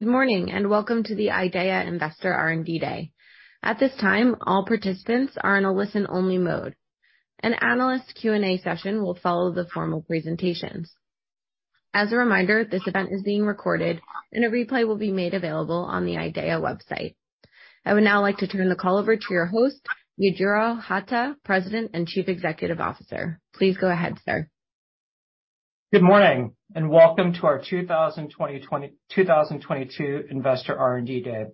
Good morning, welcome to the IDEAYA Investor R&D Day. At this time, all participants are in a listen-only mode. An analyst Q&A session will follow the formal presentations. As a reminder, this event is being recorded, and a replay will be made available on the IDEAYA website. I would now like to turn the call over to your host, Yujiro Hata, President and Chief Executive Officer. Please go ahead, sir. Good morning, and welcome to our 2022 Investor R&D Day.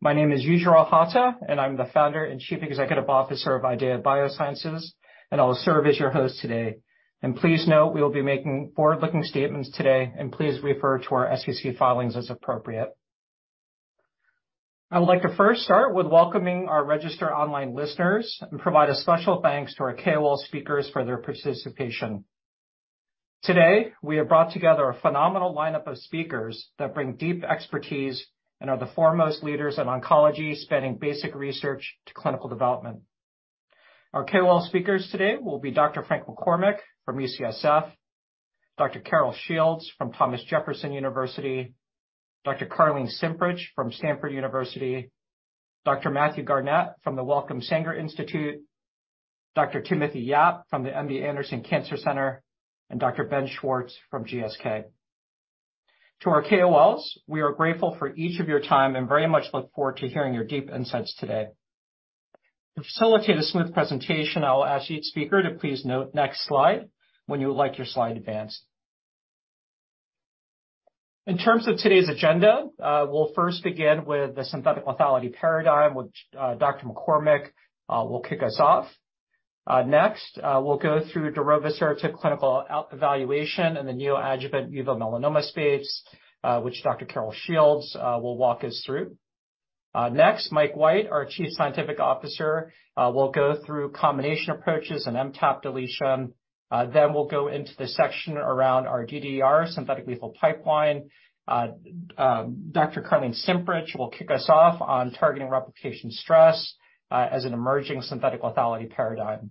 My name is Yujiro Hata, and I'm the founder and Chief Executive Officer of IDEAYA Biosciences, and I'll serve as your host today. Please note we will be making forward-looking statements today, and please refer to our SEC filings as appropriate. I would like to first start with welcoming our registered online listeners and provide a special thanks to our KOL speakers for their participation. Today, we have brought together a phenomenal lineup of speakers that bring deep expertise and are the foremost leaders in oncology spanning basic research to clinical development. Our KOL speakers today will be Dr. Frank McCormick from UCSF, Dr. Carol Shields from Thomas Jefferson University, Dr. Karlene Cimprich from Stanford University, Dr. Mathew Garnett from the Wellcome Sanger Institute, Dr. Timothy Yap from the MD Anderson Cancer Center, Dr. Ben Schwartz from GSK. To our KOLs, we are grateful for each of your time and very much look forward to hearing your deep insights today. To facilitate a smooth presentation, I will ask each speaker to please note, next slide, when you would like your slide advanced. In terms of today's agenda, we'll first begin with the synthetic lethality paradigm, which Dr. McCormick will kick us off. Next, we'll go through darovasertib to clinical evaluation in the neoadjuvant uveal melanoma space, which Dr. Carol Shields will walk us through. Next, Mike White, our Chief Scientific Officer, will go through combination approaches and MTAP deletion. Then we'll go into the section around our DDR synthetic lethal pipeline. Dr. Karlene Cimprich will kick us off on targeting replication stress as an emerging synthetic lethality paradigm.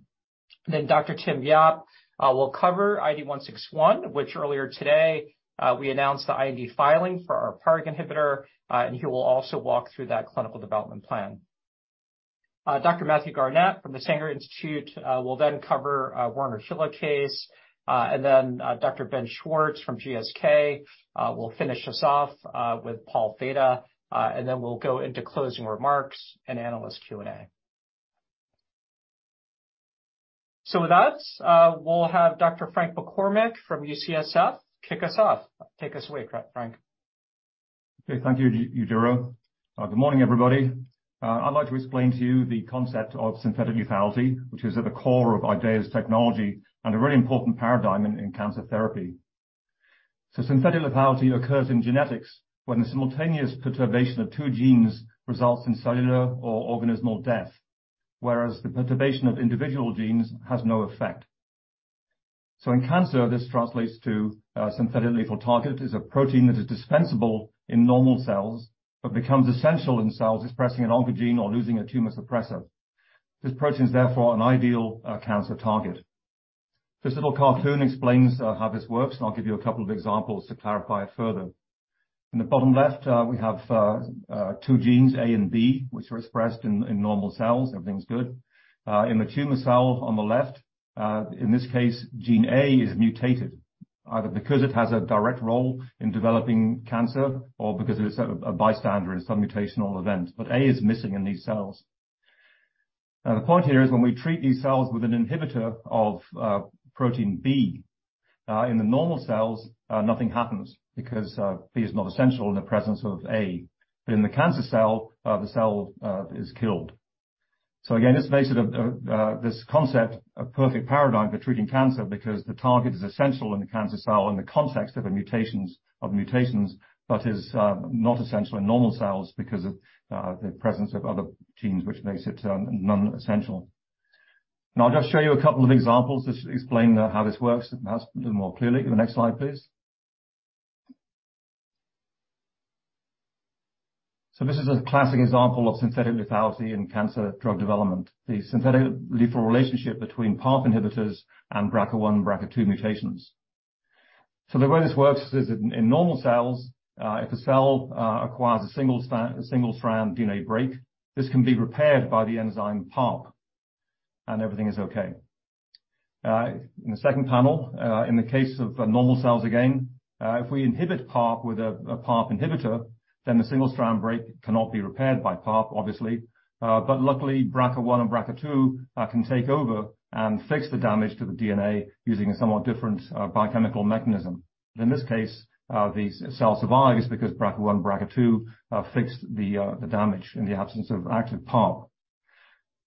Dr. Tim Yap will cover IDE161, which earlier today we announced the IND filing for our PARP inhibitor, and he will also walk through that clinical development plan. Dr. Mathew Garnett from the Sanger Institute will then cover Werner Helicase. Dr. Ben Schwartz from GSK will finish us off with Pol Theta, and we'll go into closing remarks and analyst Q&A. With that, we'll have Dr. Frank McCormick from UCSF kick us off. Take us away, Frank. Okay. Thank you, Yujiro. Good morning, everybody. I'd like to explain to you the concept of synthetic lethality, which is at the core of IDEAYA's technology and a really important paradigm in cancer therapy. Synthetic lethality occurs in genetics when the simultaneous perturbation of two genes results in cellular or organismal death, whereas the perturbation of individual genes has no effect. In cancer, this translates to a synthetic lethal target. It's a protein that is dispensable in normal cells but becomes essential in cells expressing an oncogene or losing a tumor suppressor. This protein is therefore an ideal cancer target. This little cartoon explains how this works, and I'll give you a couple of examples to clarify it further. In the bottom left, we have two genes, A and B, which are expressed in normal cells. Everything's good. In the tumor cell on the left, in this case, gene A is mutated either because it has a direct role in developing cancer or because it's a bystander in some mutational event. A is missing in these cells. The point here is when we treat these cells with an inhibitor of protein B, in the normal cells, nothing happens because B is not essential in the presence of A. In the cancer cell, the cell is killed. Again, this makes it a, this concept a perfect paradigm for treating cancer because the target is essential in the cancer cell in the context of mutations, but is not essential in normal cells because of the presence of other genes which makes it non-essential. I'll just show you a couple of examples just to explain how this works perhaps a little more clearly. The next slide, please. This is a classic example of synthetic lethality in cancer drug development, the synthetic lethal relationship between PARP inhibitors and BRCA1, BRCA2 mutations. The way this works is in normal cells, if a cell acquires a single-strand DNA break, this can be repaired by the enzyme PARP, and everything is okay. In the second panel, in the case of normal cells again, if we inhibit PARP with a PARP inhibitor, the single-strand break cannot be repaired by PARP, obviously. Luckily, BRCA1 and BRCA2 can take over and fix the damage to the DNA using a somewhat different biochemical mechanism. In this case, the cell survives because BRCA1, BRCA2 fixed the damage in the absence of active PARP.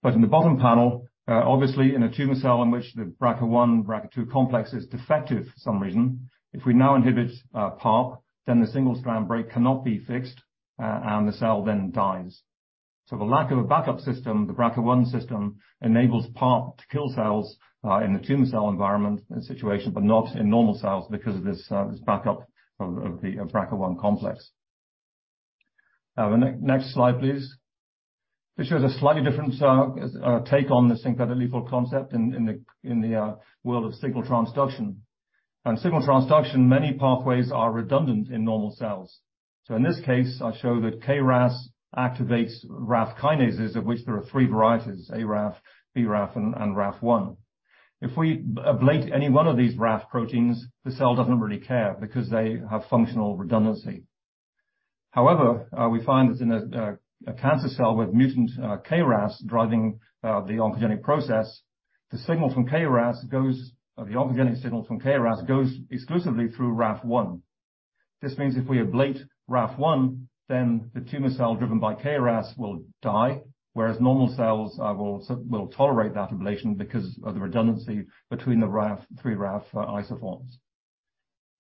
In the bottom panel, obviously in a tumor cell in which the BRCA1, BRCA2 complex is defective for some reason, if we now inhibit PARP, then the single-strand break cannot be fixed, and the cell then dies. The lack of a backup system, the BRCA1 system, enables PARP to kill cells in the tumor cell environment situation, but not in normal cells because of this backup of the BRCA1 complex. Next slide, please. This shows a slightly different take on the synthetic lethal concept in the world of signal transduction. In signal transduction, many pathways are redundant in normal cells. In this case, I show that KRAS activates RAF kinases, of which there are three varieties, A-RAF, B-RAF, and RAF1. If we ablate any one of these RAF proteins, the cell doesn't really care because they have functional redundancy. However, we find that in a cancer cell with mutant KRAS driving the oncogenic process, the oncogenic signal from KRAS goes exclusively through RAF1. This means if we ablate RAF1, then the tumor cell driven by KRAS will die, whereas normal cells will tolerate that ablation because of the redundancy between the RAF, three RAF isoforms.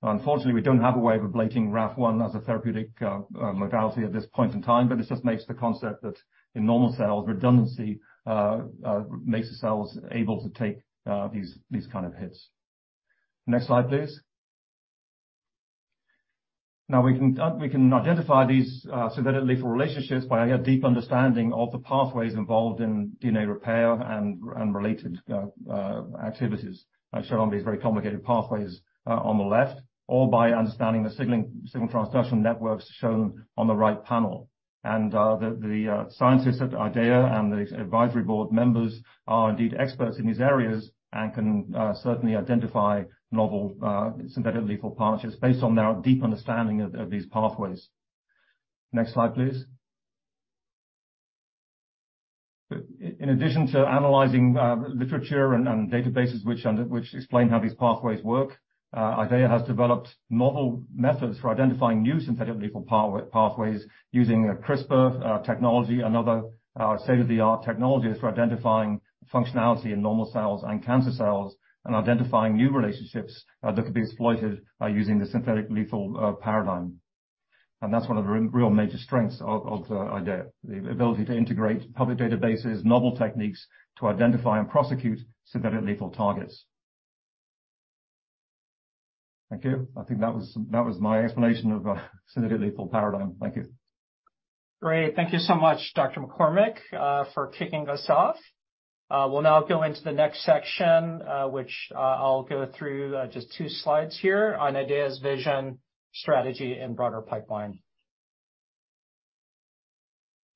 Unfortunately, we don't have a way of ablating RAF1 as a therapeutic modality at this point in time, but this just makes the concept that in normal cells, redundancy makes the cells able to take these kind of hits. Next slide, please. Now we can identify these synthetic lethal relationships by a deep understanding of the pathways involved in DNA repair and related activities shown on these very complicated pathways on the left, or by understanding the signal transduction networks shown on the right panel. The scientists at IDEAYA and the advisory board members are indeed experts in these areas and can certainly identify novel synthetic lethal partnerships based on their deep understanding of these pathways. Next slide, please. In addition to analyzing literature and databases which explain how these pathways work, IDEAYA has developed novel methods for identifying new synthetic lethal pathways using CRISPR technology and other state-of-the-art technologies for identifying functionality in normal cells and cancer cells, and identifying new relationships that could be exploited by using the synthetic lethal paradigm. That's one of the real major strengths of IDEAYA, the ability to integrate public databases, novel techniques to identify and prosecute synthetic lethal targets. Thank you. I think that was my explanation of synthetic lethal paradigm. Thank you. Great. Thank you so much, Dr. McCormick, for kicking us off. We'll now go into the next section, which I'll go through just two slides here on IDEAYA's vision, strategy, and broader pipeline.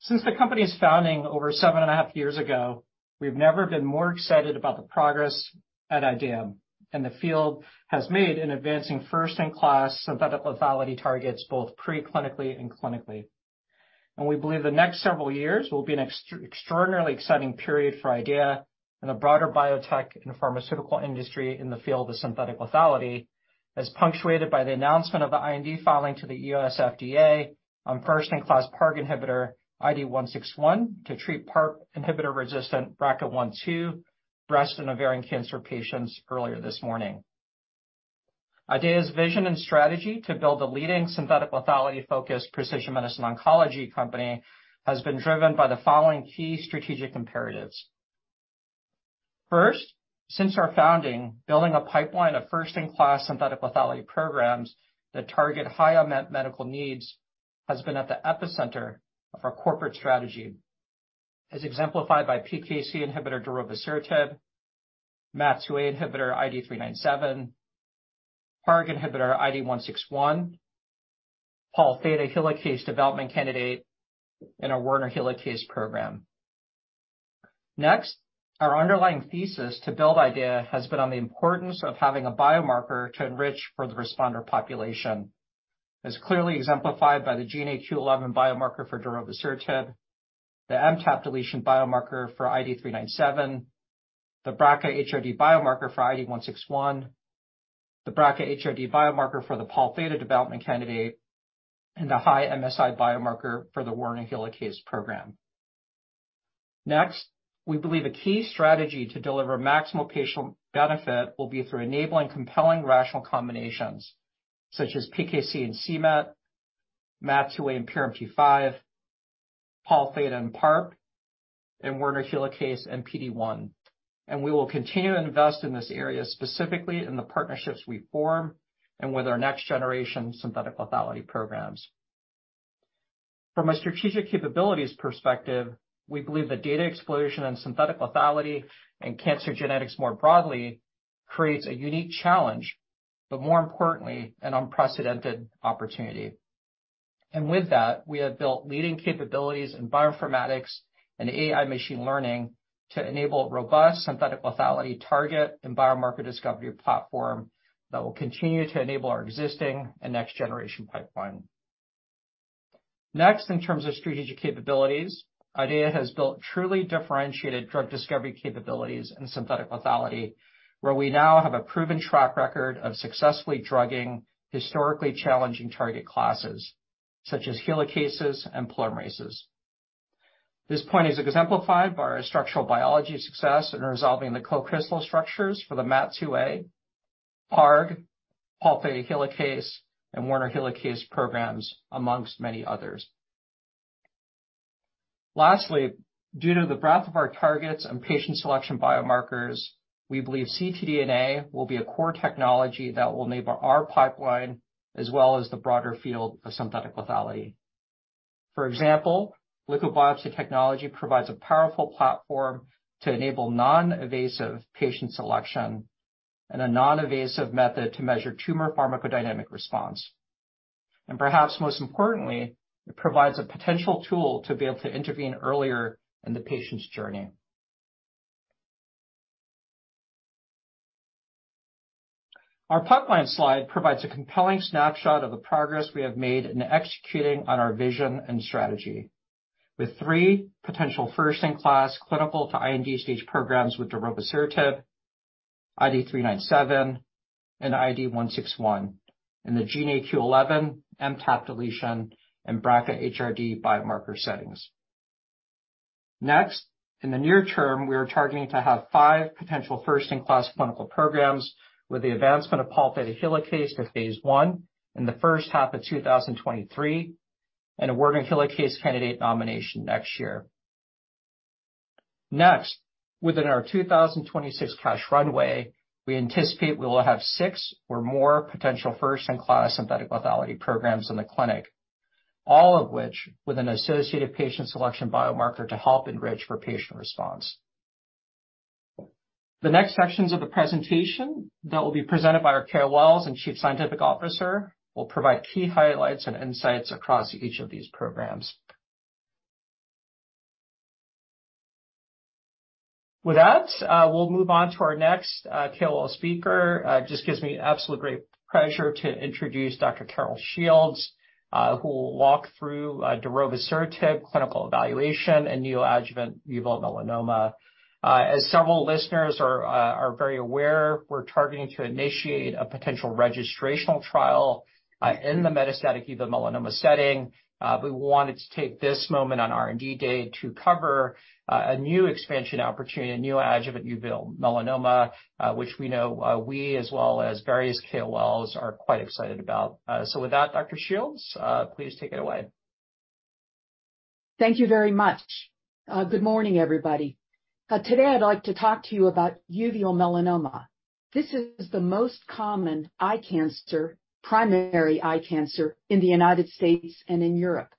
Since the company's founding over 7.5 years ago, we've never been more excited about the progress at IDEAYA, and the field has made in advancing first-in-class synthetic lethality targets, both pre-clinically and clinically. We believe the next several years will be an extraordinarily exciting period for IDEAYA and the broader biotech and pharmaceutical industry in the field of synthetic lethality, as punctuated by the announcement of the IND filing to the US FDA on first-in-class PARP inhibitor IDE161 to treat PARP inhibitor-resistant BRCA1 2 breast and ovarian cancer patients earlier this morning. IDEAYA's vision and strategy to build a leading synthetic lethality-focused precision medicine oncology company has been driven by the following key strategic imperatives. First, since our founding, building a pipeline of first-in-class synthetic lethality programs that target high unmet medical needs has been at the epicenter of our corporate strategy, as exemplified by PKC inhibitor darovasertib, MAT2A inhibitor IDE397, PARP inhibitor IDE161, Pol Theta Helicase development candidate in our Werner Helicase program. Next, our underlying thesis to build IDEAYA has been on the importance of having a biomarker to enrich for the responder population, as clearly exemplified by the GNAQ/11 biomarker for darovasertib, the MTAP-deletion biomarker for IDE397, the BRCA HRD biomarker for IDE161, the BRCA HRD biomarker for the Pol Theta development candidate, and the high MSI biomarker for the Werner Helicase program. Next, we believe a key strategy to deliver maximal patient benefit will be through enabling compelling rational combinations such as PKC and cMET, MAT2A and PRMT5, Pol Theta and PARP, and Werner Helicase and PD-1. We will continue to invest in this area, specifically in the partnerships we form and with our next-generation synthetic lethality programs. From a strategic capabilities perspective, we believe the data explosion in synthetic lethality and cancer genetics more broadly creates a unique challenge, but more importantly, an unprecedented opportunity. With that, we have built leading capabilities in bioinformatics and AI machine learning to enable robust synthetic lethality target and biomarker discovery platform that will continue to enable our existing and next-generation pipeline. Next, in terms of strategic capabilities, IDEAYA has built truly differentiated drug discovery capabilities in synthetic lethality, where we now have a proven track record of successfully drugging historically challenging target classes such as helicases and polymerases. This point is exemplified by our structural biology success in resolving the co-crystal structures for the MAT2A, PARP, Pol Theta Helicase, and Werner helicase programs, amongst many others. Lastly, due to the breadth of our targets and patient selection biomarkers, we believe ctDNA will be a core technology that will enable our pipeline, as well as the broader field of synthetic lethality. For example, liquid biopsy technology provides a powerful platform to enable non-invasive patient selection and a non-invasive method to measure tumor pharmacodynamic response. Perhaps most importantly, it provides a potential tool to be able to intervene earlier in the patient's journey. Our pipeline slide provides a compelling snapshot of the progress we have made in executing on our vision and strategy. With three potential first-in-class clinical to IND stage programs with darovasertib, IDE397, and IDE161, and the GNAQ/11 MTAP-deletion and BRCA HRD biomarker settings. In the near term, we are targeting to have five potential first-in-class clinical programs with the advancement of Pol Theta Helicase to phase 1 in the first half of 2023, and a Werner helicase candidate nomination next year. Within our 2026 cash runway, we anticipate we will have six or more potential first-in-class synthetic lethality programs in the clinic, all of which with an associated patient selection biomarker to help enrich for patient response. The next sections of the presentation that will be presented by our KOLs and Chief Scientific Officer will provide key highlights and insights across each of these programs. With that, we'll move on to our next KOL speaker. It just gives me absolute great pleasure to introduce Dr. Carol Shields, who will walk through darovasertib clinical evaluation and neoadjuvant uveal melanoma. As several listeners are very aware, we're targeting to initiate a potential registrational trial in the metastatic uveal melanoma setting. We wanted to take this moment on R&D day to cover a new expansion opportunity, neoadjuvant uveal melanoma, which we know, we as well as various KOLs are quite excited about. With that, Dr. Shields, please take it away. Thank you very much. Good morning, everybody. Today I'd like to talk to you about uveal melanoma. This is the most common eye cancer, primary eye cancer in the United States and in Europe.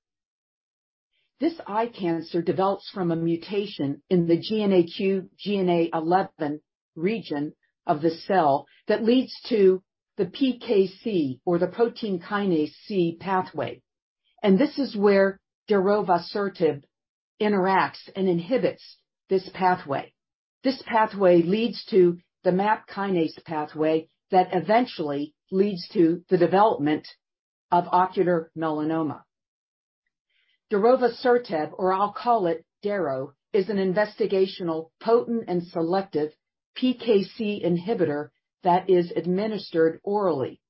This eye cancer develops from a mutation in the GNAQ, GNA11 region of the cell that leads to the PKC or the protein kinase C pathway. This is where darovasertib interacts and inhibits this pathway. This pathway leads to the MAP kinase pathway that eventually leads to the development of ocular melanoma. Darovasertib, or I'll call it Daro, is an investigational potent and selective PKC inhibitor that is administered orally.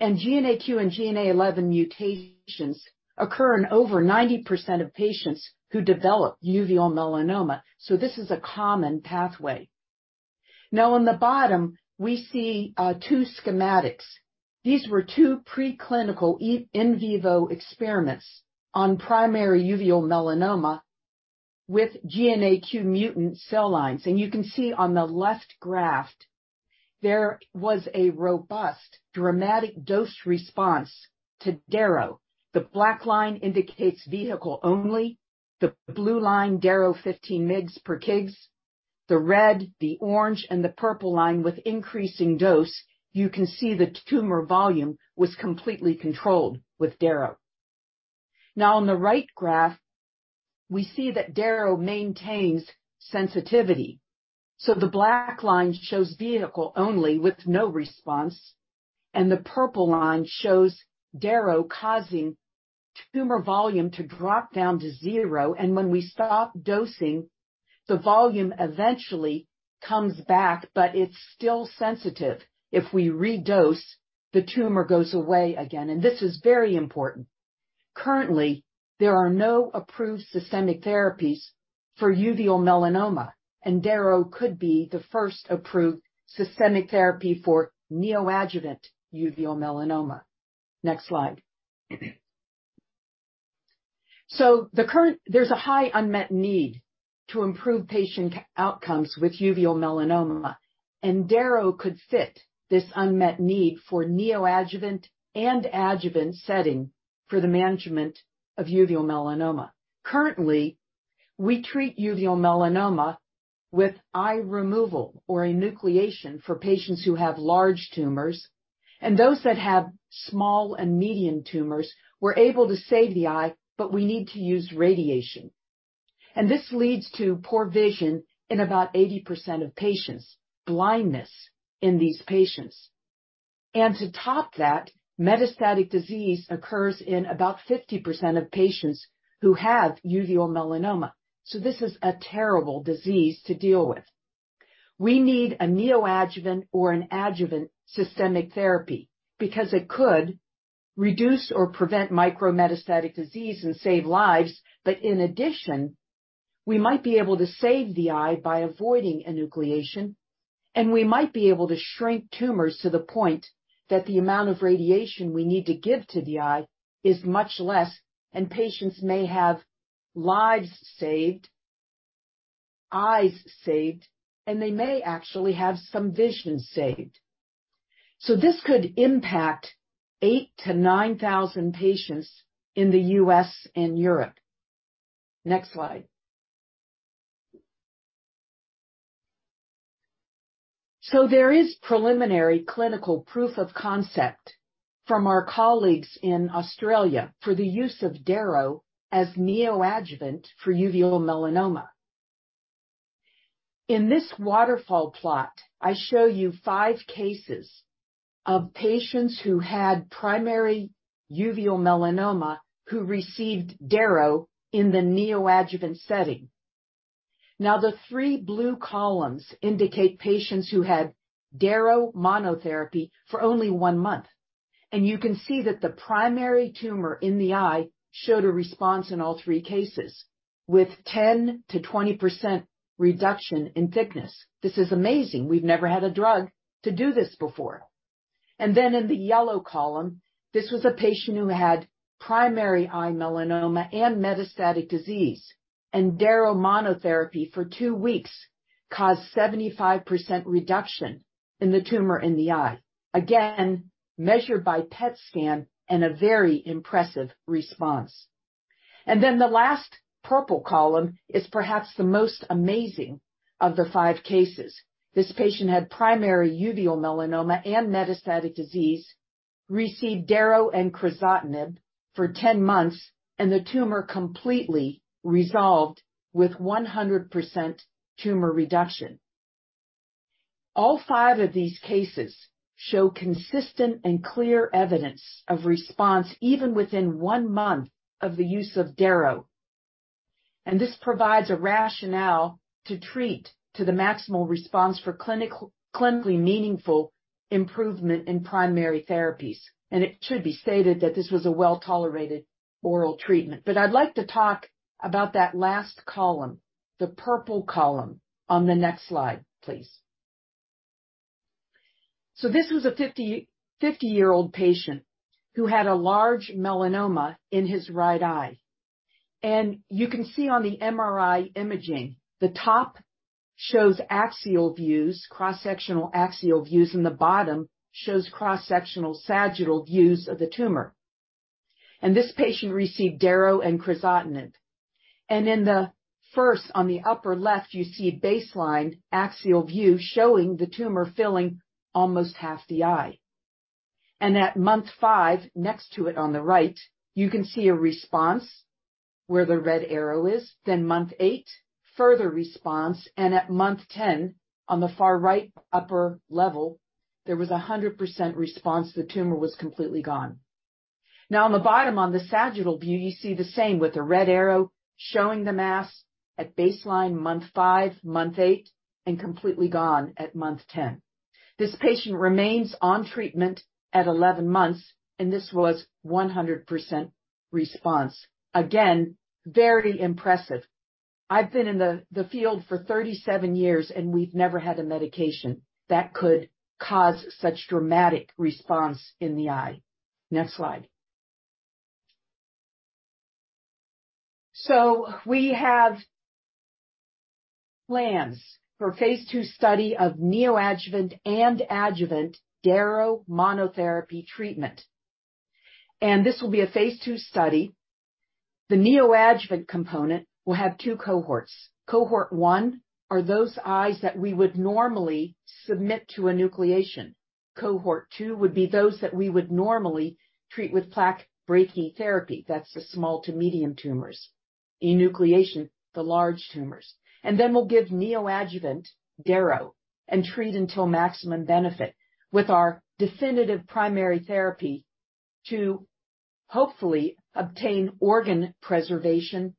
GNAQ and GNA11 mutations occur in over 90% of patients who develop uveal melanoma. This is a common pathway. Now in the bottom, we see two schematics. These were two preclinical in vivo experiments on primary uveal melanoma with GNAQ mutant cell lines. You can see on the left graph, there was a robust dramatic dose response to Daro. The black line indicates vehicle only, the blue line Daro 15 mgs per kg. The red, the orange, and the purple line with increasing dose, you can see the tumor volume was completely controlled with Daro. On the right graph, we see that Daro maintains sensitivity. The black line shows vehicle only with no response, and the purple line shows Daro causing tumor volume to drop down to zero. When we stop dosing, the volume eventually comes back, but it's still sensitive. If we redose, the tumor goes away again, and this is very important. Currently, there are no approved systemic therapies for uveal melanoma, and Daro could be the first approved systemic therapy for neoadjuvant uveal melanoma. Next slide. There's a high unmet need to improve patient outcomes with uveal melanoma, and Daro could fit this unmet need for neoadjuvant and adjuvant setting for the management of uveal melanoma. Currently, we treat uveal melanoma with eye removal or enucleation for patients who have large tumors, and those that have small and medium tumors, we're able to save the eye, but we need to use radiation. This leads to poor vision in about 80% of patients, blindness in these patients. To top that, metastatic disease occurs in about 50% of patients who have uveal melanoma, so this is a terrible disease to deal with. We need a neoadjuvant or an adjuvant systemic therapy because it could reduce or prevent micrometastatic disease and save lives. In addition, we might be able to save the eye by avoiding enucleation, and we might be able to shrink tumors to the point that the amount of radiation we need to give to the eye is much less, and patients may have lives saved. Eyes saved, and they may actually have some vision saved. This could impact 8,000-9,000 patients in the US and Europe. Next slide. There is preliminary clinical proof of concept from our colleagues in Australia for the use of Daro as neoadjuvant for uveal melanoma. In this waterfall plot, I show you 5 cases of patients who had primary uveal melanoma who received Daro in the neoadjuvant setting. The 3 blue columns indicate patients who had Daro monotherapy for only 1 month. You can see that the primary tumor in the eye showed a response in all 3 cases, with 10%-20% reduction in thickness. This is amazing. We've never had a drug to do this before. In the yellow column, this was a patient who had primary eye melanoma and metastatic disease, and Daro monotherapy for 2 weeks caused 75% reduction in the tumor in the eye, again, measured by PET scan and a very impressive response. The last purple column is perhaps the most amazing of the 5 cases. This patient had primary uveal melanoma and metastatic disease, received Daro and crizotinib for 10 months, and the tumor completely resolved with 100% tumor reduction. All five of these cases show consistent and clear evidence of response even within one month of the use of Daro. This provides a rationale to treat to the maximal response for clinically meaningful improvement in primary therapies. It should be stated that this was a well-tolerated oral treatment. I'd like to talk about that last column, the purple column on the next slide, please. This was a 50-year-old patient who had a large melanoma in his right eye. You can see on the MRI imaging, the top shows axial views, cross-sectional axial views, and the bottom shows cross-sectional sagittal views of the tumor. This patient received Daro and crizotinib. In the first, on the upper left, you see a baseline axial view showing the tumor filling almost half the eye. At month 5, next to it on the right, you can see a response where the red arrow is. Month 8, further response, and at month 10, on the far right upper level, there was 100% response. The tumor was completely gone. On the bottom, on the sagittal view, you see the same with the red arrow showing the mass at baseline month 5, month 8, and completely gone at month 10. This patient remains on treatment at 11 months, and this was 100% response. Again, very impressive. I've been in the field for 37 years, and we've never had a medication that could cause such dramatic response in the eye. Next slide. We have plans for phase 2 study of neoadjuvant and adjuvant Daro monotherapy treatment. This will be a phase 2 study. The neoadjuvant component will have 2 cohorts. Cohort 1 are those eyes that we would normally submit to enucleation. Cohort 2 would be those that we would normally treat with plaque brachytherapy. That's the small to medium tumors. Enucleation, the large tumors. We'll give neoadjuvant Daro and treat until maximum benefit with our definitive primary therapy to hopefully obtain organ preservation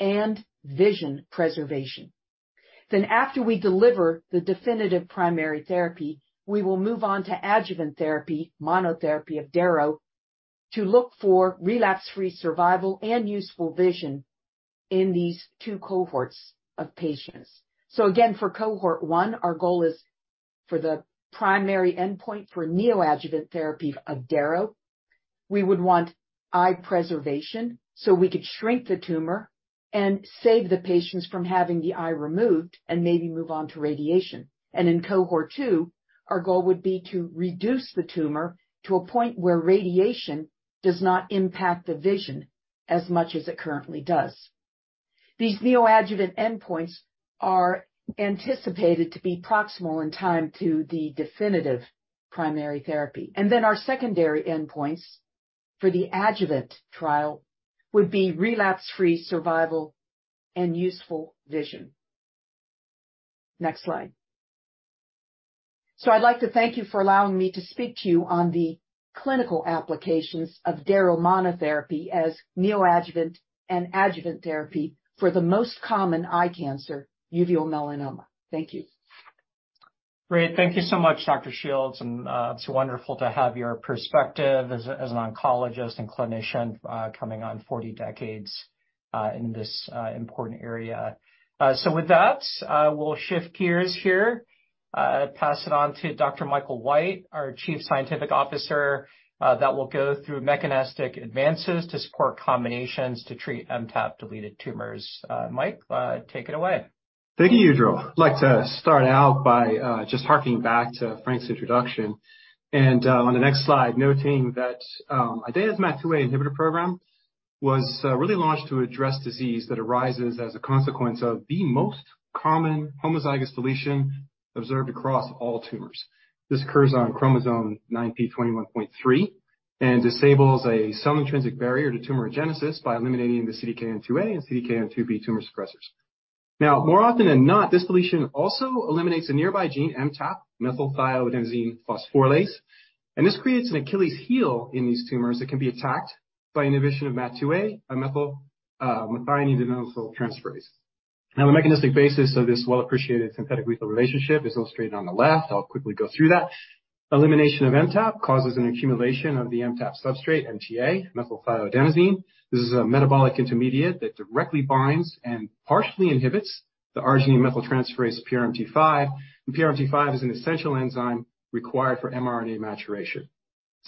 and vision preservation. After we deliver the definitive primary therapy, we will move on to adjuvant therapy, monotherapy of Daro, to look for relapse-free survival and useful vision in these 2 cohorts of patients. Again, for cohort 1, our goal is for the primary endpoint for neoadjuvant therapy of Daro. We would want eye preservation, so we could shrink the tumor and save the patients from having the eye removed and maybe move on to radiation. In cohort 2, our goal would be to reduce the tumor to a point where radiation does not impact the vision as much as it currently does. These neoadjuvant endpoints are anticipated to be proximal in time to the definitive primary therapy. Then our secondary endpoints for the adjuvant trial would be relapse-free survival and useful vision. Next slide. I'd like to thank you for allowing me to speak to you on the clinical applications of Daro monotherapy as neoadjuvant and adjuvant therapy for the most common eye cancer, uveal melanoma. Thank you. Great. Thank you so much, Dr. Shields, and it's wonderful to have your perspective as an oncologist and clinician, coming on 40 decades, in this important area. With that, we'll shift gears here. Pass it on to Dr. Michael White, our Chief Scientific Officer, that will go through mechanistic advances to support combinations to treat MTAP deleted tumors. Mike, take it away. Thank you, Yujiro. I'd like to start out by just harkening back to Frank McCormick's introduction. On the next slide, noting that IDEAYA's MAT2A inhibitor program was really launched to address disease that arises as a consequence of the most common homozygous deletion observed across all tumors. This occurs on chromosome 9p21.3 and disables a cell-intrinsic barrier to tumorigenesis by eliminating the CDKN2A and CDKN2B tumor suppressors. More often than not, this deletion also eliminates a nearby gene, MTAP, methylthioadenosine phosphorylase, and this creates an Achilles heel in these tumors that can be attacked by inhibition of MAT2A, a methionine adenosyltransferase. The mechanistic basis of this well-appreciated synthetic lethal relationship is illustrated on the left. I'll quickly go through that. Elimination of MTAP causes an accumulation of the MTAP substrate, MTA, methylthioadenosine. This is a metabolic intermediate that directly binds and partially inhibits the arginine methyltransferase PRMT5, and PRMT5 is an essential enzyme required for mRNA maturation.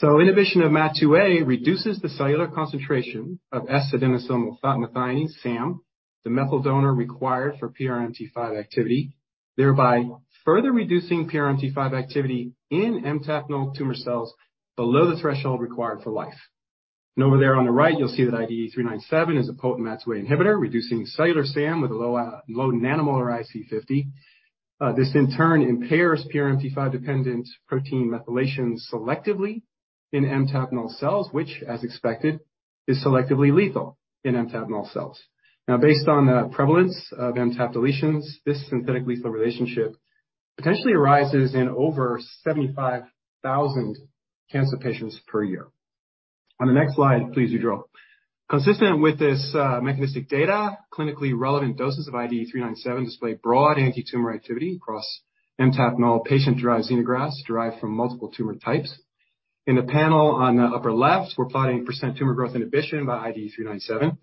Inhibition of MAT2A reduces the cellular concentration of S-adenosylmethionine, SAM, the methyl donor required for PRMT5 activity, thereby further reducing PRMT5 activity in MTAP null tumor cells below the threshold required for life. Over there on the right, you'll see that IDE397 is a potent MAT2A inhibitor, reducing cellular SAM with a low, low nanomolar IC50. This in turn impairs PRMT5-dependent protein methylation selectively in MTAP null cells, which as expected, is selectively lethal in MTAP null cells. Based on the prevalence of MTAP deletions, this synthetic lethal relationship potentially arises in over 75,000 cancer patients per year. On the next slide, please, Andres. Consistent with this mechanistic data, clinically relevant doses of IDE397 display broad antitumor activity across MTAP null patient-derived xenografts derived from multiple tumor types. In the panel on the upper left, we're plotting percent tumor growth inhibition by IDE397, where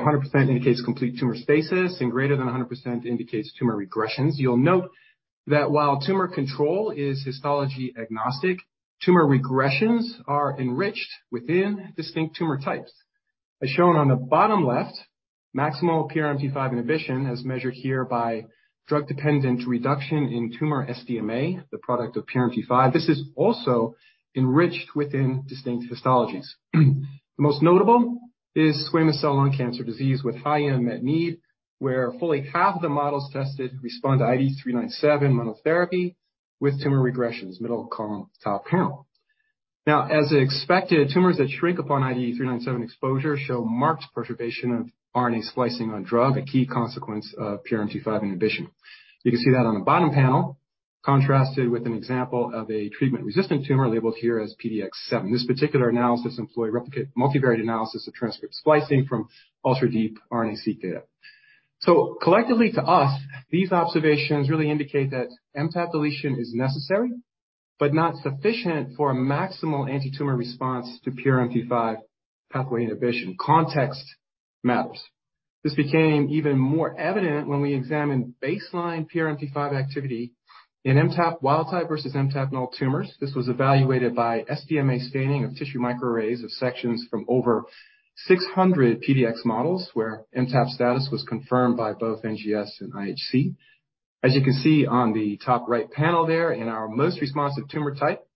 100% indicates complete tumor stasis and greater than 100% indicates tumor regressions. You'll note that while tumor control is histology agnostic, tumor regressions are enriched within distinct tumor types. As shown on the bottom left, maximal PRMT5 inhibition as measured here by drug-dependent reduction in tumor SDMA, the product of PRMT5. This is also enriched within distinct histologies. The most notable is squamous cell lung cancer disease with high M met need, where fully half of the models tested respond to IDE397 monotherapy with tumor regressions, middle column, top panel. As expected, tumors that shrink upon IDE397 exposure show marked perturbation of RNA splicing on drug, a key consequence of PRMT5 inhibition. You can see that on the bottom panel, contrasted with an example of a treatment-resistant tumor labeled here as PDX 7. This particular analysis employ replicate multivariate analysis of transcript splicing from ultra-deep RNA-Seq data. Collectively to us, these observations really indicate that MTAP deletion is necessary but not sufficient for a maximal antitumor response to PRMT5 pathway inhibition. Context matters. This became even more evident when we examined baseline PRMT5 activity in MTAP wild type versus MTAP null tumors. This was evaluated by SDMA staining of tissue microarrays of sections from over 600 PDX models, where MTAP status was confirmed by both NGS and IHC. As you can see on the top right panel there, in our most responsive tumor type,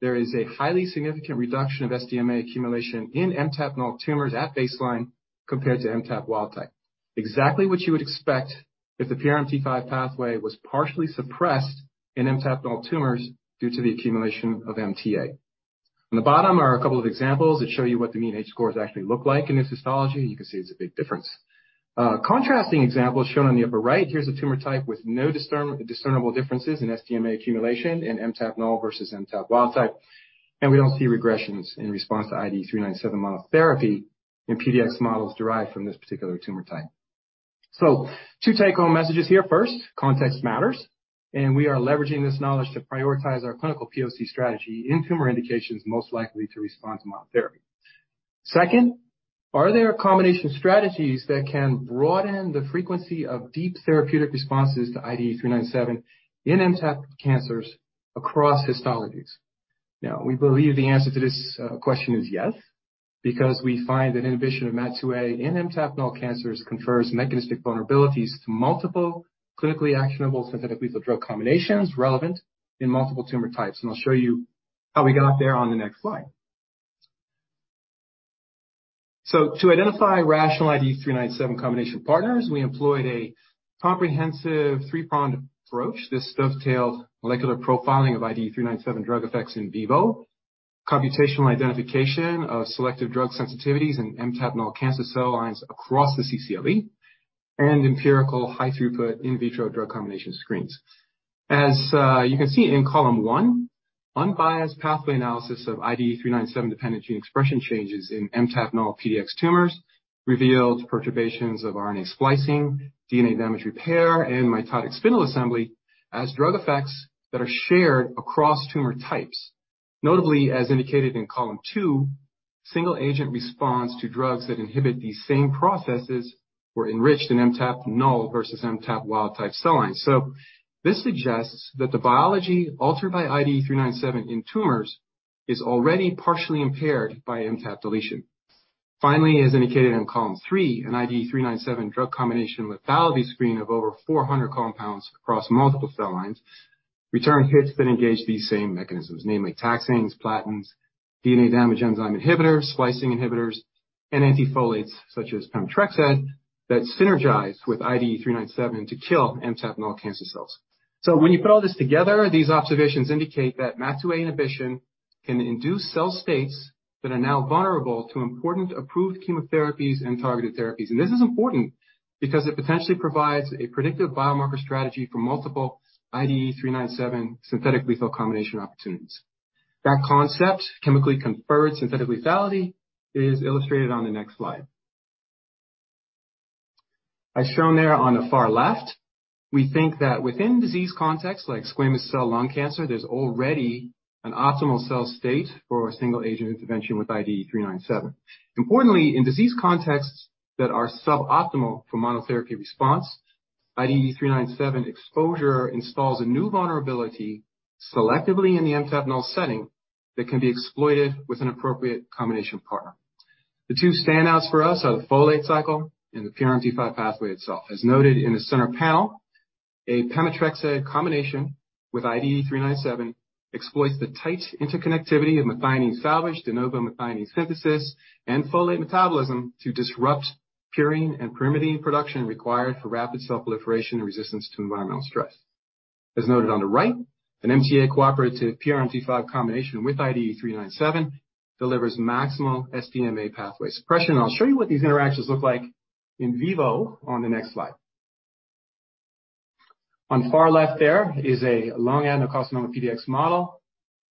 there is a highly significant reduction of SDMA accumulation in MTAP null tumors at baseline compared to MTAP wild type. Exactly what you would expect if the PRMT5 pathway was partially suppressed in MTAP null tumors due to the accumulation of MTA. On the bottom are a couple of examples that show you what the mean H-scores actually look like in this histology. You can see it's a big difference. Contrasting example shown on the upper right, here's a tumor type with no discernible differences in SDMA accumulation in MTAP null versus MTAP wild type, and we don't see regressions in response to IDE397 monotherapy in PDX models derived from this particular tumor type. Two take-home messages here. First, context matters, and we are leveraging this knowledge to prioritize our clinical POC strategy in tumor indications most likely to respond to monotherapy. Second, are there combination strategies that can broaden the frequency of deep therapeutic responses to IDE397 in MTAP cancers across histologies? We believe the answer to this question is yes, because we find that inhibition of MAT2A in MTAP null cancers confers mechanistic vulnerabilities to multiple clinically actionable synthetic lethal drug combinations relevant in multiple tumor types. I'll show you how we got there on the next slide. To identify rational IDE397 combination partners, we employed a comprehensive three-pronged approach. This dovetailed molecular profiling of IDE397 drug effects in vivo, computational identification of selective drug sensitivities in MTAP null cancer cell lines across the CCLE, and empirical high-throughput in vitro drug combination screens. As you can see in column 1, unbiased pathway analysis of IDE397-dependent gene expression changes in MTAP null PDX tumors revealed perturbations of RNA splicing, DNA damage repair, and mitotic spindle assembly as drug effects that are shared across tumor types. Notably, as indicated in column 2, single agent response to drugs that inhibit these same processes were enriched in MTAP null versus MTAP wild type cell lines. This suggests that the biology altered by IDE397 in tumors is already partially impaired by MTAP deletion. Finally, as indicated in column 3, an IDE397 drug combination with viability screen of over 400 compounds across multiple cell lines return hits that engage these same mechanisms, namely taxanes, platins, DNA damage enzyme inhibitors, splicing inhibitors, and anti-folates such as pemetrexed that synergize with IDE397 to kill MTAP null cancer cells. When you put all this together, these observations indicate that MAT2A inhibition can induce cell states that are now vulnerable to important approved chemotherapies and targeted therapies. This is important because it potentially provides a predictive biomarker strategy for multiple IDE397 synthetic lethal combination opportunities. That concept, chemically conferred synthetic lethality, is illustrated on the next slide. As shown there on the far left, we think that within disease contexts like squamous cell lung cancer, there's already an optimal cell state for a single agent intervention with IDE397. Importantly, in disease contexts that are suboptimal for monotherapy response, IDE397 exposure installs a new vulnerability selectively in the MTAP null setting that can be exploited with an appropriate combination partner. The two standouts for us are the folate cycle and the PRMT5 pathway itself. As noted in the center panel, a pemetrexed combination with IDE397 exploits the tight interconnectivity of methionine salvage, de novo methionine synthesis, and folate metabolism to disrupt purine and pyrimidine production required for rapid cell proliferation and resistance to environmental stress. As noted on the right, an MTA cooperative PRMT5 combination with IDE397 delivers maximal SDMA pathway suppression. I'll show you what these interactions look like in vivo on the next slide. On the far left there is a lung adenocarcinoma PDX model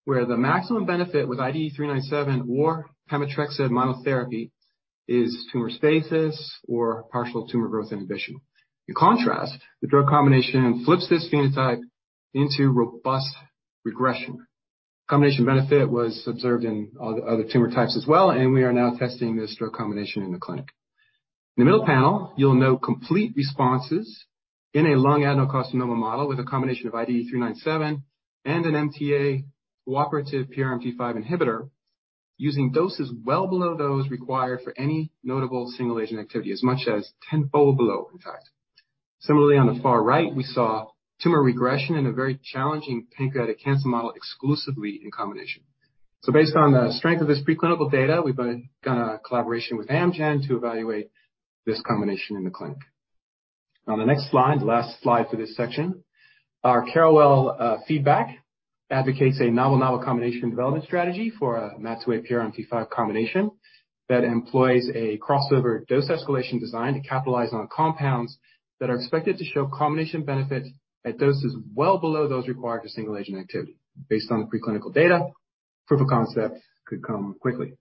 where the maximum benefit with IDE397 or pemetrexed monotherapy is tumor stasis or partial tumor growth inhibition. In contrast, the drug combination flips this phenotype into robust regression. Combination benefit was observed in other tumor types as well, and we are now testing this drug combination in the clinic. In the middle panel, you'll note complete responses in a lung adenocarcinoma model with a combination of IDE397 and an MTA cooperative PRMT5 inhibitor using doses well below those required for any notable single-agent activity. As much as 10-fold below, in fact. Similarly, on the far right, we saw tumor regression in a very challenging pancreatic cancer model exclusively in combination. Based on the strength of this preclinical data, we've begun a collaboration with Amgen to evaluate this combination in the clinic. On the next slide, the last slide for this section, our CAROL feedback advocates a novel combination development strategy for a MAT2A PRMT5 combination that employs a crossover dose escalation design to capitalize on compounds that are expected to show combination benefits at doses well below those required for single-agent activity. Based on the preclinical data, proof of concept could come quickly.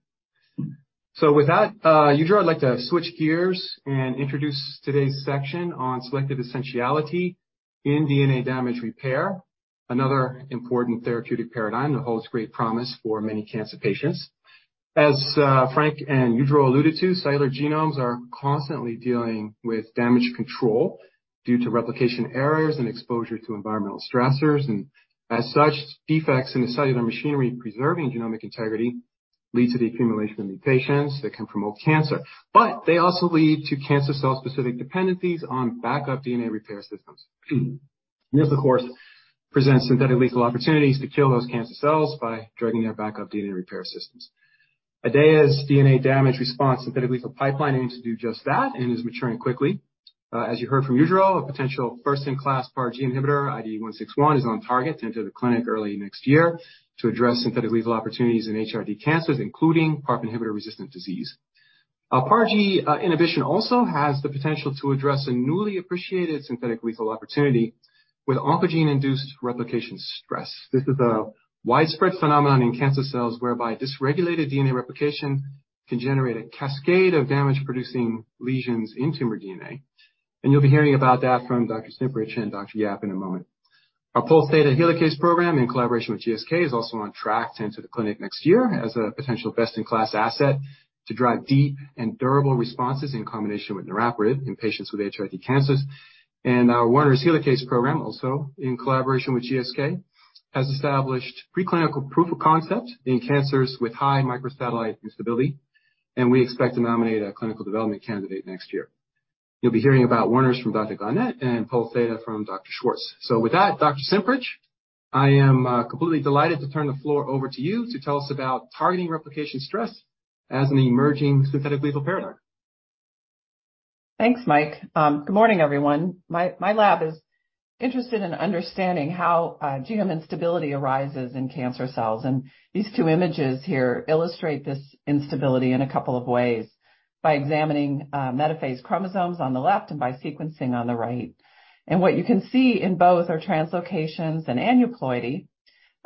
With that, Jiro, I'd like to switch gears and introduce today's section on selective essentiality in DNA damage repair, another important therapeutic paradigm that holds great promise for many cancer patients. As Frank and Jiro alluded to, cellular genomes are constantly dealing with damage control due to replication errors and exposure to environmental stressors. As such, defects in the cellular machinery preserving genomic integrity lead to the accumulation of mutations that can promote cancer. They also lead to cancer cell-specific dependencies on backup DNA repair systems. This, of course, presents synthetic lethal opportunities to kill those cancer cells by dragging their backup DNA repair systems. IDEAYA's DNA damage response synthetic lethal pipeline aims to do just that and is maturing quickly. As you heard from Udro, a potential first-in-class PARG inhibitor, IDE161, is on target to enter the clinic early next year to address synthetic lethal opportunities in HRD cancers, including PARP inhibitor-resistant disease. PARG inhibition also has the potential to address a newly appreciated synthetic lethal opportunity with oncogene-induced replication stress. This is a widespread phenomenon in cancer cells whereby dysregulated DNA replication can generate a cascade of damage-producing lesions in tumor DNA. You'll be hearing about that from Dr. Cimprich and Dr. Yap in a moment. Our Pol Theta Helicase program in collaboration with GSK is also on track to enter the clinic next year as a potential best-in-class asset to drive deep and durable responses in combination with niraparib in patients with HRD cancers. Our Werner Helicase program, also in collaboration with GSK, has established preclinical proof of concept in cancers with high microsatellite instability, and we expect to nominate a clinical development candidate next year. You'll be hearing about Werner's from Dr. Garnett and Pol Theta from Dr. Schwartz. With that, Dr. Cimprich, I am completely delighted to turn the floor over to you to tell us about targeting replication stress as an emerging synthetic lethal paradigm. Thanks, Mike. Good morning, everyone. My lab is interested in understanding how genome instability arises in cancer cells. These two images here illustrate this instability in a couple of ways by examining metaphase chromosomes on the left and by sequencing on the right. What you can see in both are translocations and aneuploidy,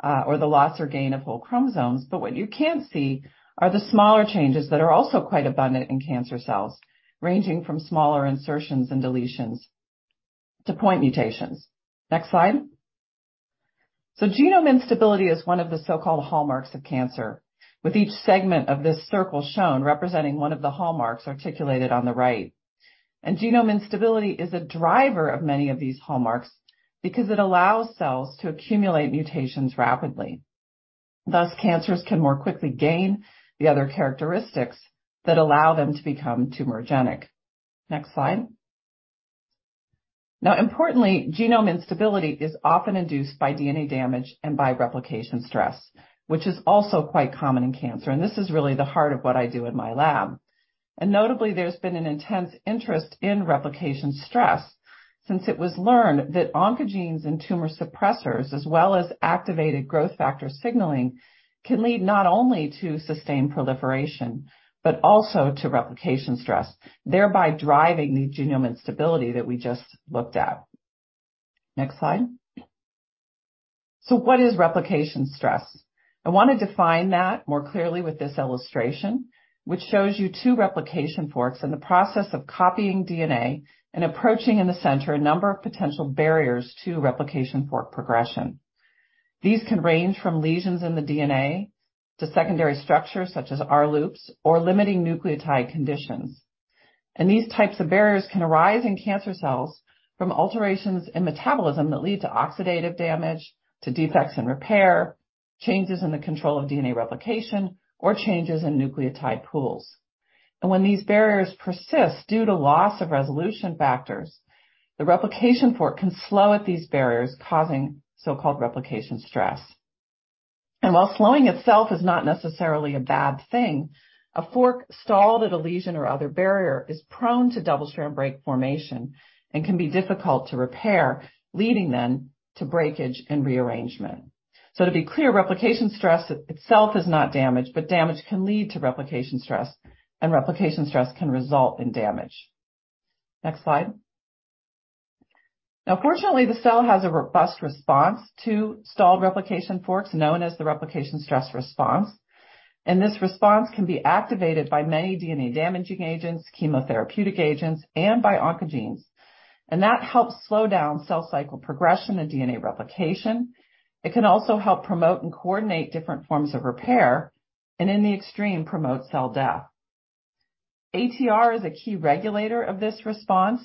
or the loss or gain of whole chromosomes. What you can't see are the smaller changes that are also quite abundant in cancer cells, ranging from smaller insertions and deletions to point mutations. Next slide. Genome instability is one of the so-called hallmarks of cancer. With each segment of this circle shown representing one of the hallmarks articulated on the right. Genome instability is a driver of many of these hallmarks because it allows cells to accumulate mutations rapidly. Thus, cancers can more quickly gain the other characteristics that allow them to become tumorigenic. Next slide. Importantly, genome instability is often induced by DNA damage and by replication stress, which is also quite common in cancer. This is really the heart of what I do in my lab. Notably, there's been an intense interest in replication stress since it was learned that oncogenes and tumor suppressors, as well as activated growth factor signaling, can lead not only to sustained proliferation, but also to replication stress, thereby driving the genome instability that we just looked at. Next slide. What is replication stress? I want to define that more clearly with this illustration, which shows you two replication forks in the process of copying DNA and approaching in the center a number of potential barriers to replication fork progression. These can range from lesions in the DNA to secondary structures such as R-loops or limiting nucleotide conditions. These types of barriers can arise in cancer cells from alterations in metabolism that lead to oxidative damage, to defects in repair, changes in the control of DNA replication, or changes in nucleotide pools. When these barriers persist due to loss of resolution factors, the replication fork can slow at these barriers, causing so-called replication stress. While slowing itself is not necessarily a bad thing, a fork stalled at a lesion or other barrier is prone to double strand break formation and can be difficult to repair, leading then to breakage and rearrangement. To be clear, replication stress itself is not damage, but damage can lead to replication stress, and replication stress can result in damage. Next slide. Fortunately, the cell has a robust response to stalled replication forks, known as the replication stress response, and this response can be activated by many DNA-damaging agents, chemotherapeutic agents, and by oncogenes. That helps slow down cell cycle progression and DNA replication. It can also help promote and coordinate different forms of repair, and in the extreme, promote cell death. ATR is a key regulator of this response,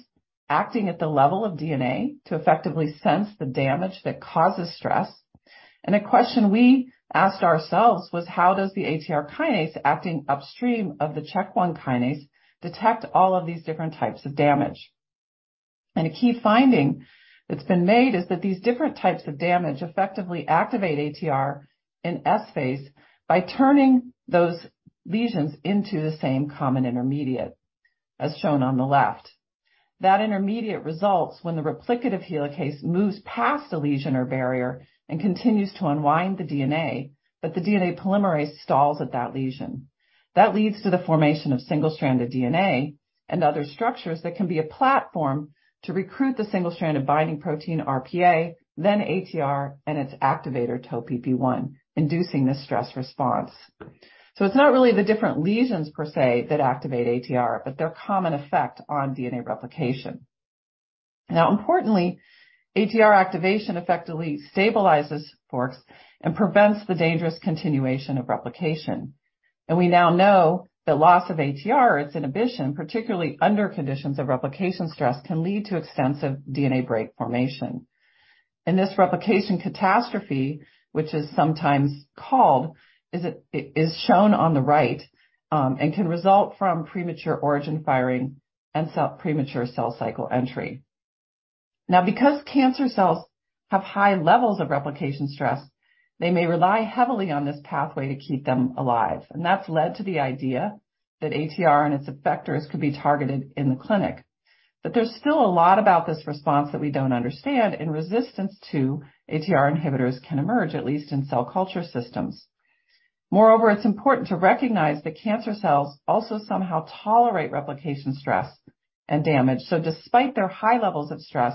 acting at the level of DNA to effectively sense the damage that causes stress. A question we asked ourselves was how does the ATR kinase acting upstream of the CHEK1 kinase detect all of these different types of damage? A key finding that's been made is that these different types of damage effectively activate ATR in S-phase by turning those lesions into the same common intermediate as shown on the left. That intermediate results when the replicative helicase moves past a lesion or barrier and continues to unwind the DNA, but the DNA polymerase stalls at that lesion. That leads to the formation of single-stranded DNA and other structures that can be a platform to recruit the single strand of binding protein RPA, then ATR and its activator TopBP1, inducing the stress response. It's not really the different lesions per se that activate ATR, but their common effect on DNA replication. Importantly, ATR activation effectively stabilizes forks and prevents the dangerous continuation of replication. We now know that loss of ATR, its inhibition, particularly under conditions of replication stress, can lead to extensive DNA break formation. This replication catastrophe, which is sometimes called, is shown on the right, and can result from premature origin firing and premature cell cycle entry. Because cancer cells have high levels of replication stress, they may rely heavily on this pathway to keep them alive. That's led to the idea that ATR and its effectors could be targeted in the clinic. There's still a lot about this response that we don't understand, and resistance to ATR inhibitors can emerge, at least in cell culture systems. Moreover, it's important to recognize that cancer cells also somehow tolerate replication stress and damage. Despite their high levels of stress,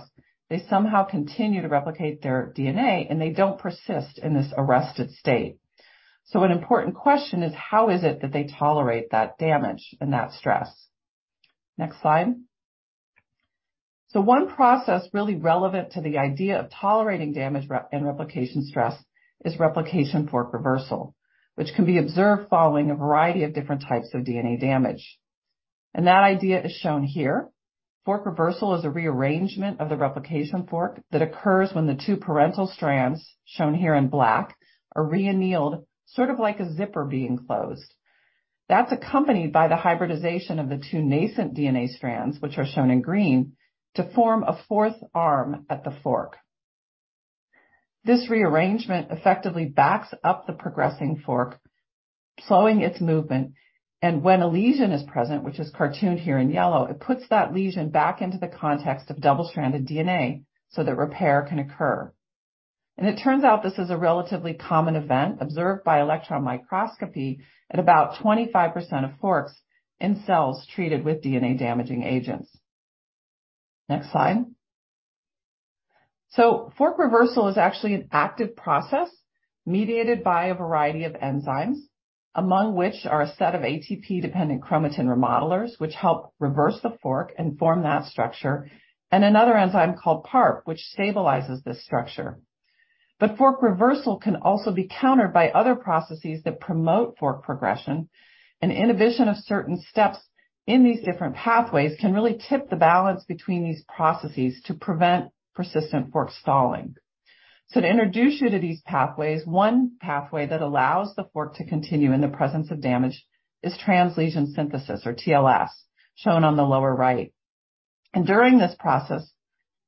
they somehow continue to replicate their DNA, and they don't persist in this arrested state. An important question is how is it that they tolerate that damage and that stress? Next slide. One process really relevant to the idea of tolerating damage and replication stress is replication fork reversal, which can be observed following a variety of different types of DNA damage. That idea is shown here. Fork reversal is a rearrangement of the replication fork that occurs when the two parental strands, shown here in black, are re-annealed, sort of like a zipper being closed. That's accompanied by the hybridization of the two nascent DNA strands, which are shown in green, to form a fourth arm at the fork. This rearrangement effectively backs up the progressing fork, slowing its movement. When a lesion is present, which is cartooned here in yellow, it puts that lesion back into the context of double-stranded DNA so that repair can occur. It turns out this is a relatively common event observed by electron microscopy at about 25% of forks in cells treated with DNA-damaging agents. Next slide. Fork reversal is actually an active process. Mediated by a variety of enzymes, among which are a set of ATP-dependent chromatin remodelers, which help reverse the fork and form that structure, and another enzyme called PARP, which stabilizes this structure. Fork reversal can also be countered by other processes that promote fork progression, and inhibition of certain steps in these different pathways can really tip the balance between these processes to prevent persistent fork stalling. To introduce you to these pathways, one pathway that allows the fork to continue in the presence of damage is translesion synthesis, or TLS, shown on the lower right. During this process,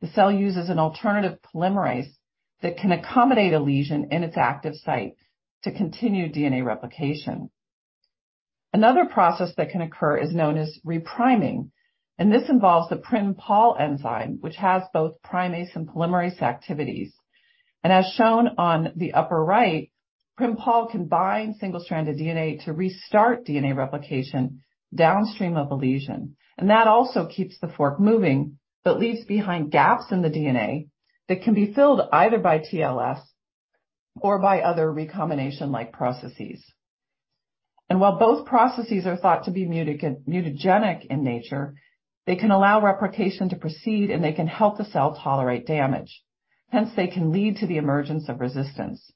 the cell uses an alternative polymerase that can accommodate a lesion in its active site to continue DNA replication. Another process that can occur is known as re-priming, and this involves the PrimPol enzyme, which has both primase and polymerase activities. As shown on the upper right, PrimPol can bind single-stranded DNA to restart DNA replication downstream of a lesion. That also keeps the fork moving, but leaves behind gaps in the DNA that can be filled either by TLS or by other recombination-like processes. While both processes are thought to be mutagenic in nature, they can allow replication to proceed, and they can help the cell tolerate damage. Hence, they can lead to the emergence of resistance.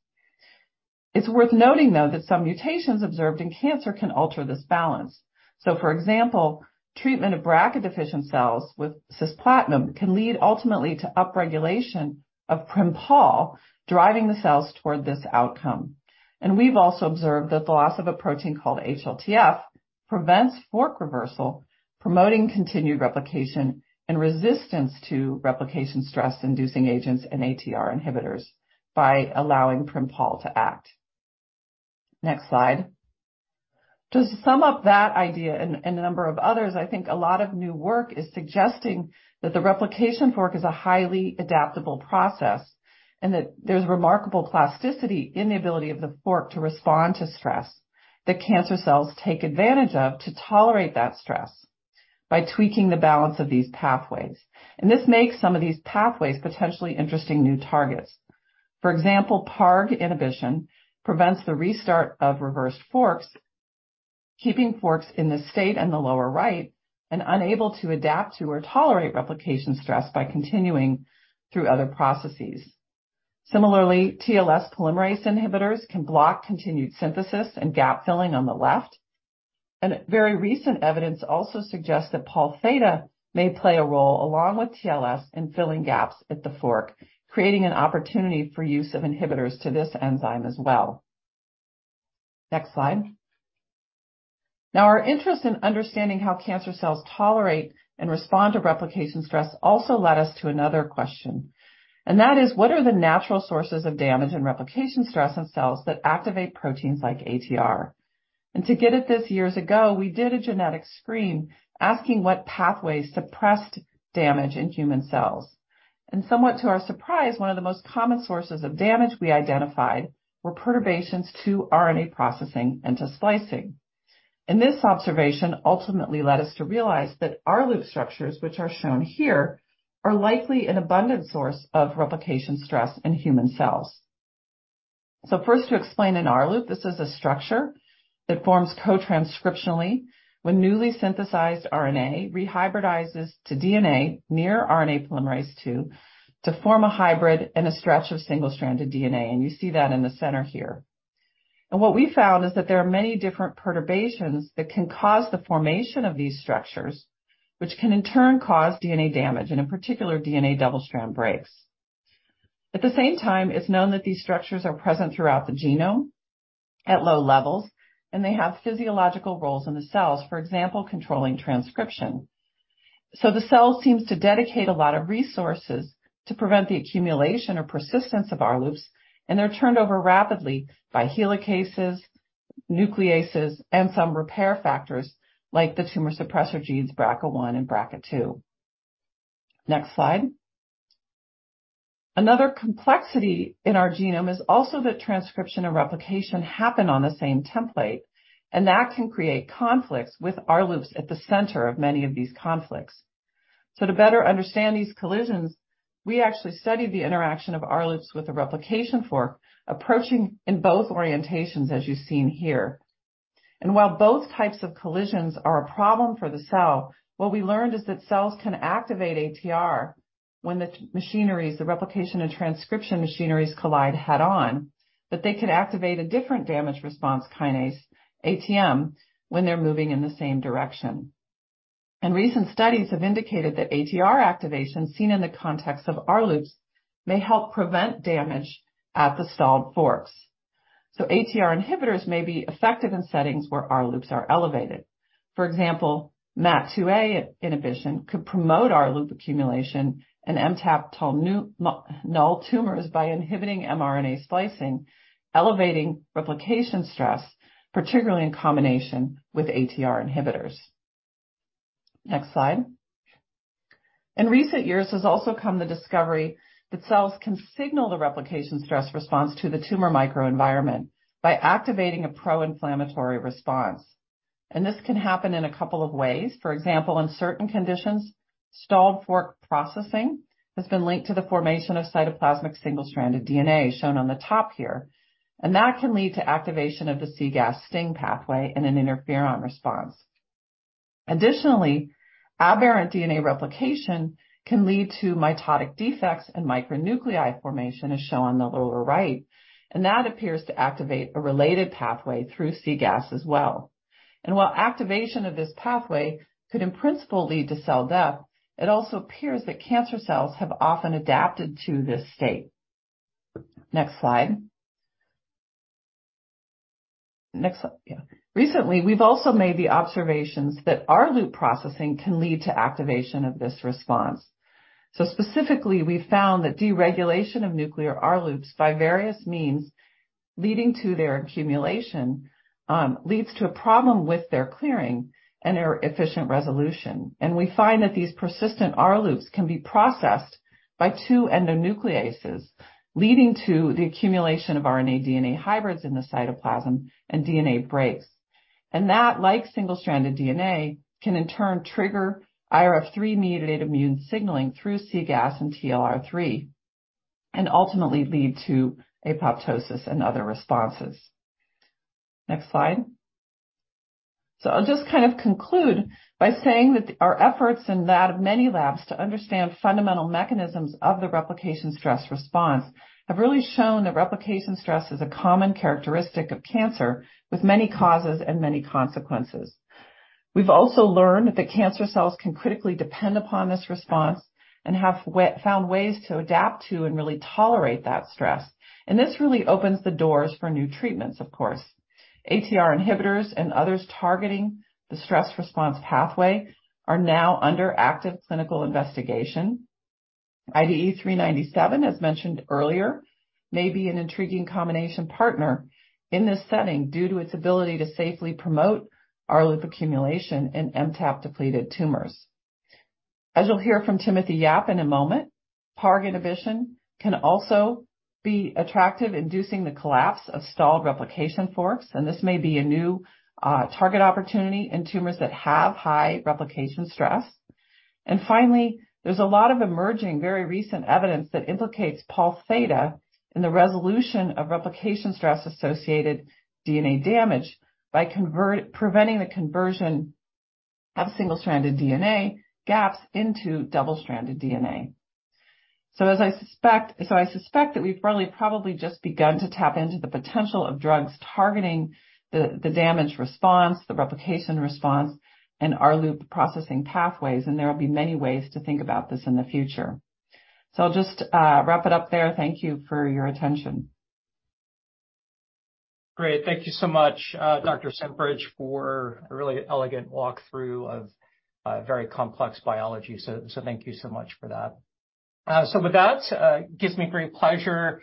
It's worth noting, though, that some mutations observed in cancer can alter this balance. For example, treatment of BRCA-deficient cells with cisplatin can lead ultimately to upregulation of PrimPol, driving the cells toward this outcome. We've also observed that the loss of a protein called HLTF prevents fork reversal, promoting continued replication and resistance to replication stress-inducing agents and ATR inhibitors by allowing PrimPol to act. Next slide. Just to sum up that idea and a number of others, I think a lot of new work is suggesting that the replication fork is a highly adaptable process, and that there's remarkable plasticity in the ability of the fork to respond to stress that cancer cells take advantage of to tolerate that stress by tweaking the balance of these pathways. This makes some of these pathways potentially interesting new targets. For example, PARG inhibition prevents the restart of reversed forks, keeping forks in the state in the lower right and unable to adapt to or tolerate replication stress by continuing through other processes. Similarly, TLS polymerase inhibitors can block continued synthesis and gap filling on the left. Very recent evidence also suggests that Pol Theta may play a role, along with TLS, in filling gaps at the fork, creating an opportunity for use of inhibitors to this enzyme as well. Next slide. Our interest in understanding how cancer cells tolerate and respond to replication stress also led us to another question, and that is: What are the natural sources of damage and replication stress in cells that activate proteins like ATR? To get at this years ago, we did a genetic screen asking what pathways suppressed damage in human cells. Somewhat to our surprise, one of the most common sources of damage we identified were perturbations to RNA processing and to splicing. This observation ultimately led us to realize that R-loop structures, which are shown here, are likely an abundant source of replication stress in human cells. First, to explain an R-loop, this is a structure that forms co-transcriptionally when newly synthesized RNA rehybridizes to DNA near RNA polymerase II to form a hybrid and a stretch of single-stranded DNA. You see that in the center here. What we found is that there are many different perturbations that can cause the formation of these structures, which can in turn cause DNA damage, and in particular, DNA double-strand breaks. At the same time, it's known that these structures are present throughout the genome at low levels, and they have physiological roles in the cells, for example, controlling transcription. The cell seems to dedicate a lot of resources to prevent the accumulation or persistence of R-loops, and they're turned over rapidly by helicases, nucleases, and some repair factors like the tumor suppressor genes BRCA1 and BRCA2. Next slide. Another complexity in our genome is also that transcription and replication happen on the same template, and that can create conflicts with R-loops at the center of many of these conflicts. To better understand these collisions, we actually studied the interaction of R-loops with the replication fork, approaching in both orientations, as you've seen here. While both types of collisions are a problem for the cell, what we learned is that cells can activate ATR when the replication and transcription machineries collide head-on, but they could activate a different damage response kinase, ATM, when they're moving in the same direction. Recent studies have indicated that ATR activation seen in the context of R-loops may help prevent damage at the stalled forks. ATR inhibitors may be effective in settings where R-loops are elevated. For example, MAT2A inhibition could promote R-loop accumulation in MTAP null tumors by inhibiting mRNA splicing, elevating replication stress, particularly in combination with ATR inhibitors. Next slide. In recent years has also come the discovery that cells can signal the replication stress response to the tumor microenvironment by activating a pro-inflammatory response. This can happen in a couple of ways. For example, in certain conditions, stalled fork processing has been linked to the formation of cytoplasmic single-stranded DNA, shown on the top here, and that can lead to activation of the cGAS-STING pathway in an interferon response. Additionally, aberrant DNA replication can lead to mitotic defects and micronuclei formation, as shown on the lower right, that appears to activate a related pathway through cGAS as well. While activation of this pathway could, in principle, lead to cell death, it also appears that cancer cells have often adapted to this state. Next slide.. Recently, we've also made the observations that R-loop processing can lead to activation of this response. Specifically, we found that deregulation of nuclear R-loops by various means leading to their accumulation, leads to a problem with their clearing and their efficient resolution. We find that these persistent R-loops can be processed by two endonucleases, leading to the accumulation of RNA-DNA hybrids in the cytoplasm and DNA breaks. That, like single-stranded DNA, can in turn trigger IRF3-mediated immune signaling through cGAS and TLR3, and ultimately lead to apoptosis and other responses. Next slide. I'll just kind of conclude by saying that our efforts, and that of many labs, to understand fundamental mechanisms of the replication stress response have really shown that replication stress is a common characteristic of cancer with many causes and many consequences. We've also learned that cancer cells can critically depend upon this response and have found ways to adapt to and really tolerate that stress. This really opens the doors for new treatments, of course. ATR inhibitors and others targeting the stress response pathway are now under active clinical investigation. IDE397, as mentioned earlier, may be an intriguing combination partner in this setting due to its ability to safely promote R-loop accumulation in MTAP-depleted tumors. As you'll hear from Timothy Yap in a moment, PARG inhibition can also be attractive, inducing the collapse of stalled replication forks. This may be a new target opportunity in tumors that have high replication stress. Finally, there's a lot of emerging, very recent evidence that implicates Pol Theta in the resolution of replication stress-associated DNA damage by preventing the conversion of single-stranded DNA gaps into double-stranded DNA. I suspect that we've really probably just begun to tap into the potential of drugs targeting the damage response, the replication response, and R-loop processing pathways. There will be many ways to think about this in the future. I'll just wrap it up there. Thank you for your attention. Great. Thank you so much, Dr. Cimprich, for a really elegant walkthrough of very complex biology. Thank you so much for that. With that, gives me great pleasure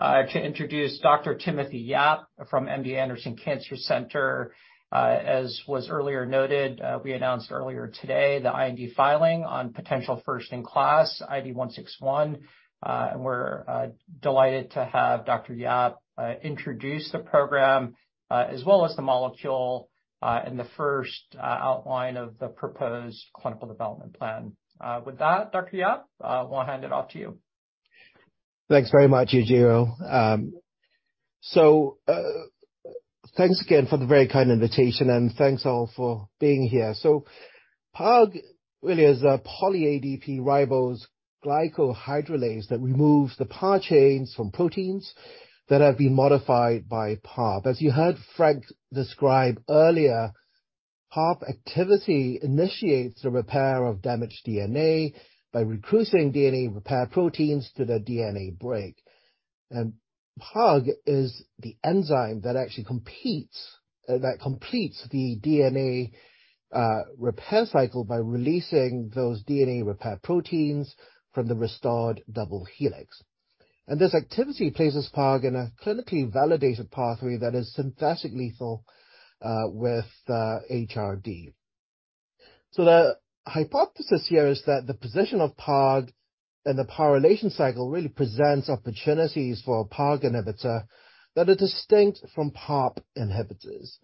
to introduce Dr. Timothy Yap from MD Anderson Cancer Center. As was earlier noted, we announced earlier today the IND filing on potential first-in-class IDE161. And we're delighted to have Dr. Yap introduce the program as well as the molecule and the first outline of the proposed clinical development plan. With that, Dr. Yap, we'll hand it off to you. Thanks very much, Yujiro. Thanks again for the very kind invitation, and thanks, all, for being here. PARG really is a poly ADP-ribose glycohydrolase that removes the PAR chains from proteins that have been modified by PARP. As you heard Frank describe earlier, PARP activity initiates the repair of damaged DNA by recruiting DNA repair proteins to the DNA break. PARG is the enzyme that actually completes the DNA repair cycle by releasing those DNA repair proteins from the restored double helix. This activity places PARG in a clinically validated pathway that is synthetically lethal with HRD. The hypothesis here is that the position of PARG in the PARylation cycle really presents opportunities for a PARG inhibitor that are distinct from PARP inhibitors.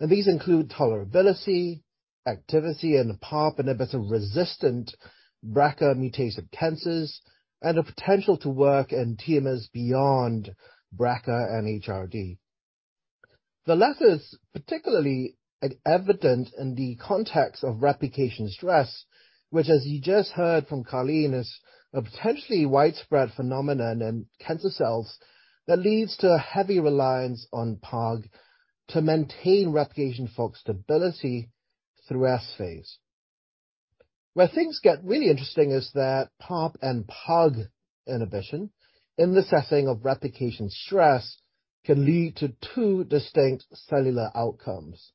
These include tolerability, activity in the PARP inhibitor-resistant BRCA-mutated cancers, and a potential to work in tumors beyond BRCA and HRD. The latter is particularly evident in the context of replication stress, which, as you just heard from Karlene Cimprich, is a potentially widespread phenomenon in cancer cells that leads to a heavy reliance on PARG to maintain replication fork stability through S-phase. Where things get really interesting is that PARP and PARG inhibition in the setting of replication stress can lead to two distinct cellular outcomes.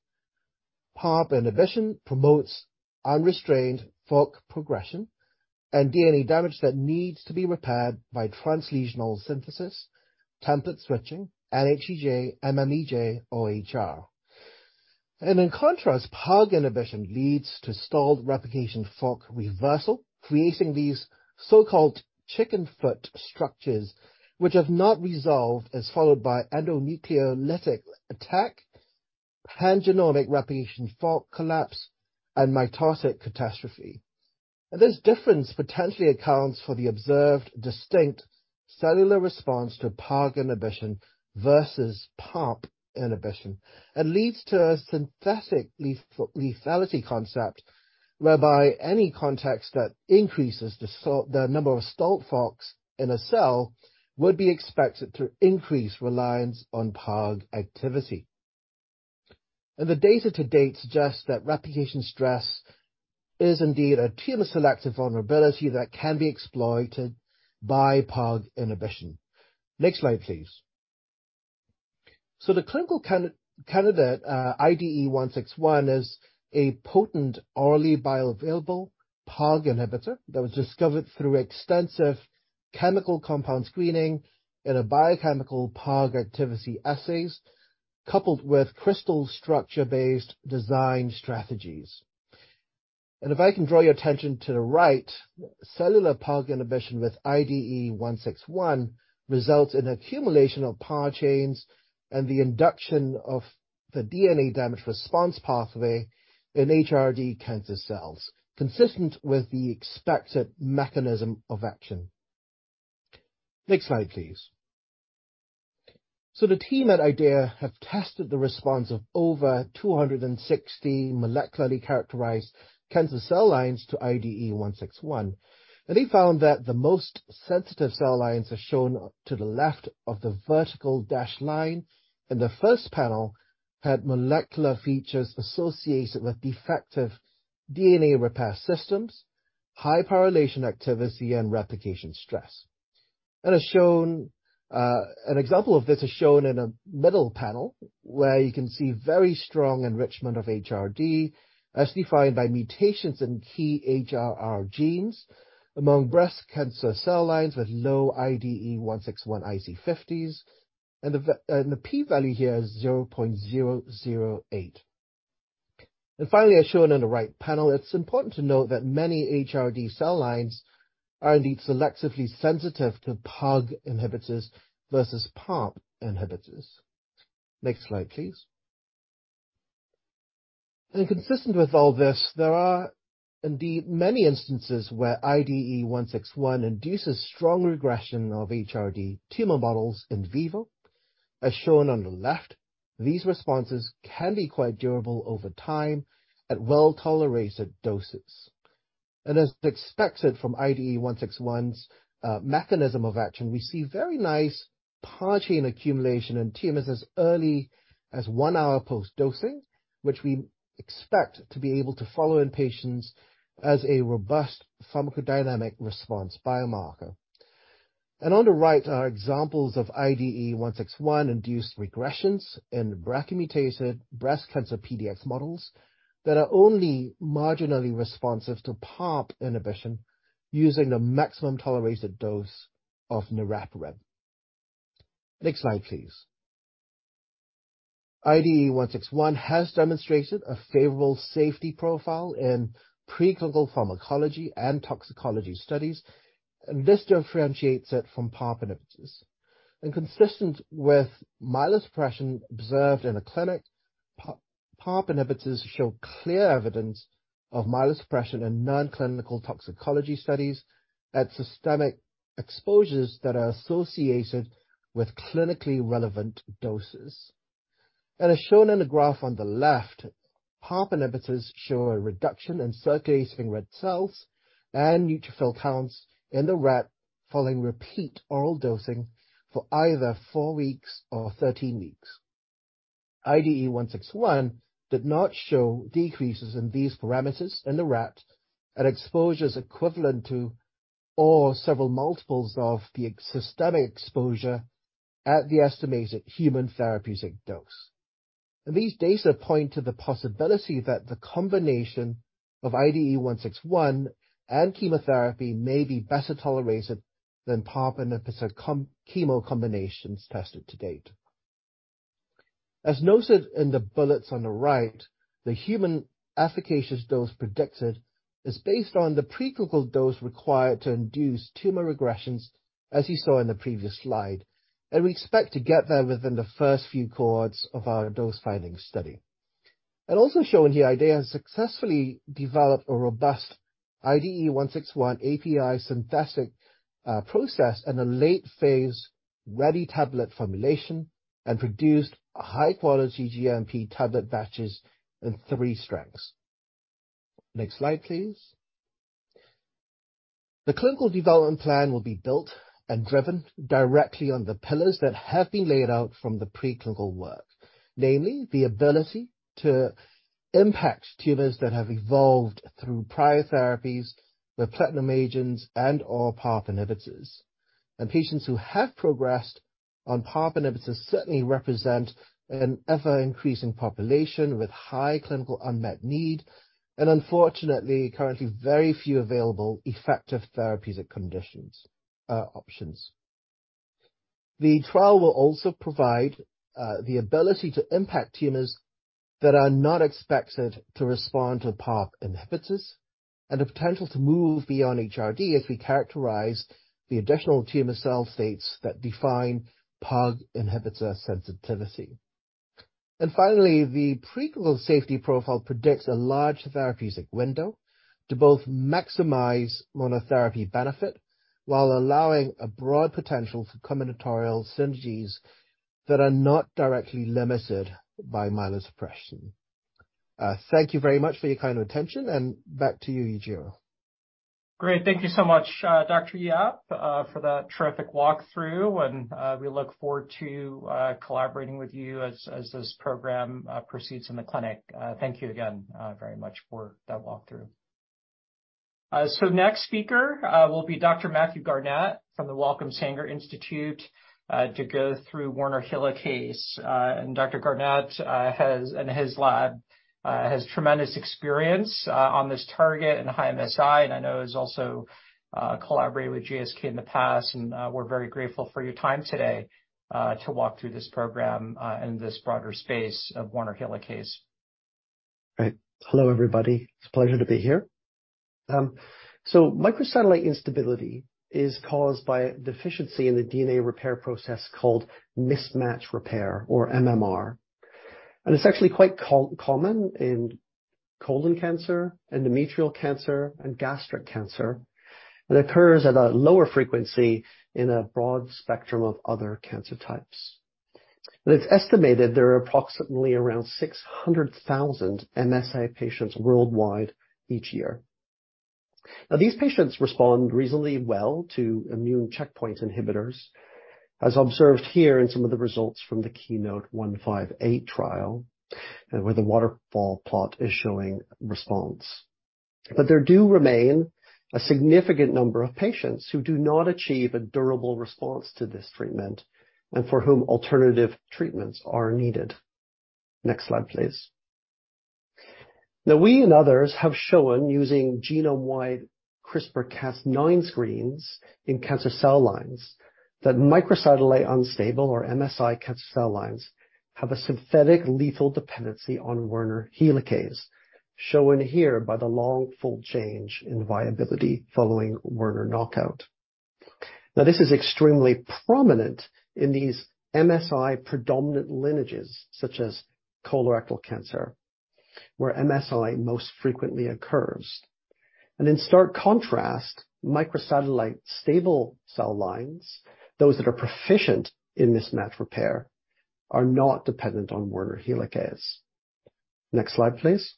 PARP inhibition promotes unrestrained fork progression and DNA damage that needs to be repaired by translesional synthesis, template switching, NHEJ, MMEJ or HR. In contrast, PARG inhibition leads to stalled replication fork reversal, creating these so-called chicken foot structures, which have not resolved as followed by endonucleolytic attack, pangenomic replication fork collapse and mitotic catastrophe. This difference potentially accounts for the observed distinct cellular response to PARG inhibition versus PARP inhibition, and leads to a synthetic lethality concept, whereby any context that increases the number of stalled forks in a cell would be expected to increase reliance on PARG activity. The data to date suggests that replication stress is indeed a tumor-selective vulnerability that can be exploited by PARG inhibition. Next slide, please. The clinical candidate, IDE161, is a potent orally bioavailable PARG inhibitor that was discovered through extensive chemical compound screening in a biochemical PARG activity assays, coupled with crystal structure-based design strategies. If I can draw your attention to the right, cellular PARG inhibition with IDE161 results in accumulation of PAR chains and the induction of the DNA damage response pathway in HRD cancer cells, consistent with the expected mechanism of action. Next slide, please. The team at IDEAYA have tested the response of over 260 molecularly characterized cancer cell lines to IDE161. They found that the most sensitive cell lines are shown to the left of the vertical dashed line. The first panel had molecular features associated with defective DNA repair systems, high PARylation activity and replication stress. As shown, an example of this is shown in a middle panel, where you can see very strong enrichment of HRD as defined by mutations in key HRR genes among breast cancer cell lines with low IDE161 IC50s and the p-value here is 0.008. Finally, as shown in the right panel, it's important to note that many HRD cell lines are indeed selectively sensitive to PARG inhibitors versus PARP inhibitors. Next slide, please. Consistent with all this, there are indeed many instances where IDE161 induces strong regression of HRD tumor models in vivo. As shown on the left, these responses can be quite durable over time at well-tolerated doses. As expected from IDE161's mechanism of action, we see very nice PAR chain accumulation in tumors as early as 1 hour post-dosing, which we expect to be able to follow in patients as a robust pharmacodynamic response biomarker. On the right are examples of IDE161-induced regressions in BRCA-mutated breast cancer PDX models that are only marginally responsive to PARP inhibition using the maximum tolerated dose of niraparib. Next slide, please. IDE161 has demonstrated a favorable safety profile in preclinical pharmacology and toxicology studies. This differentiates it from PARP inhibitors. Consistent with myelosuppression observed in a clinic, PARP inhibitors show clear evidence of myelosuppression in non-clinical toxicology studies at systemic exposures that are associated with clinically relevant doses. As shown in the graph on the left, PARP inhibitors show a reduction in circulating red cells and neutrophil counts in the rat following repeat oral dosing for either 4 weeks or 13 weeks. IDE161 did not show decreases in these parameters in the rat at exposures equivalent to or several multiples of the systemic exposure at the estimated human therapeutic dose. These data point to the possibility that the combination of IDE161 and chemotherapy may be better tolerated than PARP inhibitor chemo combinations tested to date. As noted in the bullets on the right, the human efficacious dose predicted is based on the preclinical dose required to induce tumor regressions, as you saw in the previous slide, and we expect to get there within the first few cohorts of our dose-finding study. Also shown here, IDEAYA has successfully developed a robust IDE161 API synthetic process and a late phase ready tablet formulation, and produced high-quality GMP tablet batches in 3 strengths. Next slide, please. The clinical development plan will be built and driven directly on the pillars that have been laid out from the preclinical work, namely the ability to impact tumors that have evolved through prior therapies with platinum agents and/or PARP inhibitors. Patients who have progressed on PARP inhibitors certainly represent an ever-increasing population with high clinical unmet need and unfortunately currently very few available effective therapeutic conditions, options. The trial will also provide the ability to impact tumors that are not expected to respond to PARP inhibitors. The potential to move beyond HRD as we characterize the additional tumor cell states that define PARG inhibitor sensitivity. Finally, the preclinical safety profile predicts a large therapeutic window to both maximize monotherapy benefit while allowing a broad potential for combinatorial synergies that are not directly limited by myelosuppression. Thank you very much for your kind attention, and back to you, Yujiro. Great. Thank you so much, Dr. Yap, for that terrific walk-through, we look forward to collaborating with you as this program proceeds in the clinic. Thank you again, very much for that walk-through. Next speaker will be Dr. Mathew Garnett from the Wellcome Sanger Institute, to go through Werner helicase. Dr. Garnett and his lab has tremendous experience on this target and high MSI, and I know has also collaborated with GSK in the past, we're very grateful for your time today to walk through this program and this broader space of Werner helicase. Great. Hello, everybody. It's a pleasure to be here. Microsatellite instability is caused by a deficiency in the DNA repair process called mismatch repair or MMR. It's actually quite co-common in colorectal cancer, endometrial cancer and gastric cancer. It occurs at a lower frequency in a broad spectrum of other cancer types. It's estimated there are approximately around 600,000 MSI patients worldwide each year. These patients respond reasonably well to immune checkpoint inhibitors, as observed here in some of the results from the KEYNOTE-158 trial, where the waterfall plot is showing response. There do remain a significant number of patients who do not achieve a durable response to this treatment and for whom alternative treatments are needed. Next slide, please. Now, we and others have shown, using genome-wide CRISPR-Cas9 screens in cancer cell lines, that microsatellite unstable or MSI cancer cell lines have a synthetic lethal dependency on Werner helicase, shown here by the long fold change in viability following Werner knockout. Now, this is extremely prominent in these MSI-predominant lineages, such as colorectal cancer, where MSI most frequently occurs. In stark contrast, microsatellite stable cell lines, those that are proficient in mismatch repair, are not dependent on Werner helicase. Next slide, please.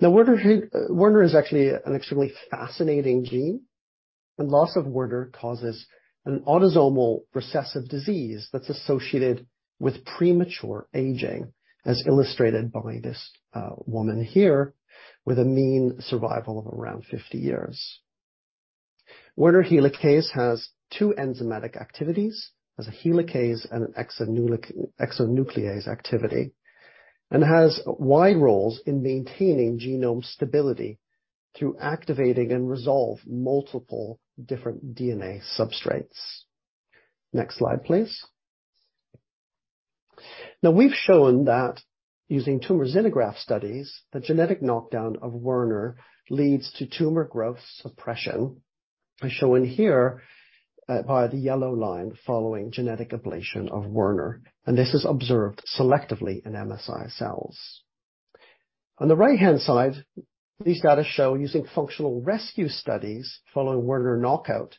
Now, Werner is actually an extremely fascinating gene, and loss of Werner causes an autosomal recessive disease that's associated with premature aging, as illustrated by this woman here with a mean survival of around 50 years. Werner helicase has two enzymatic activities, as a helicase and an exonuclease activity, has wide roles in maintaining genome stability through activating and resolve multiple different DNA substrates. Next slide, please. We've shown that using tumor xenograft studies, a genetic knockdown of Werner leads to tumor growth suppression, as shown here, by the yellow line following genetic ablation of Werner, this is observed selectively in MSI cells. On the right-hand side, these data show using functional rescue studies following Werner knockout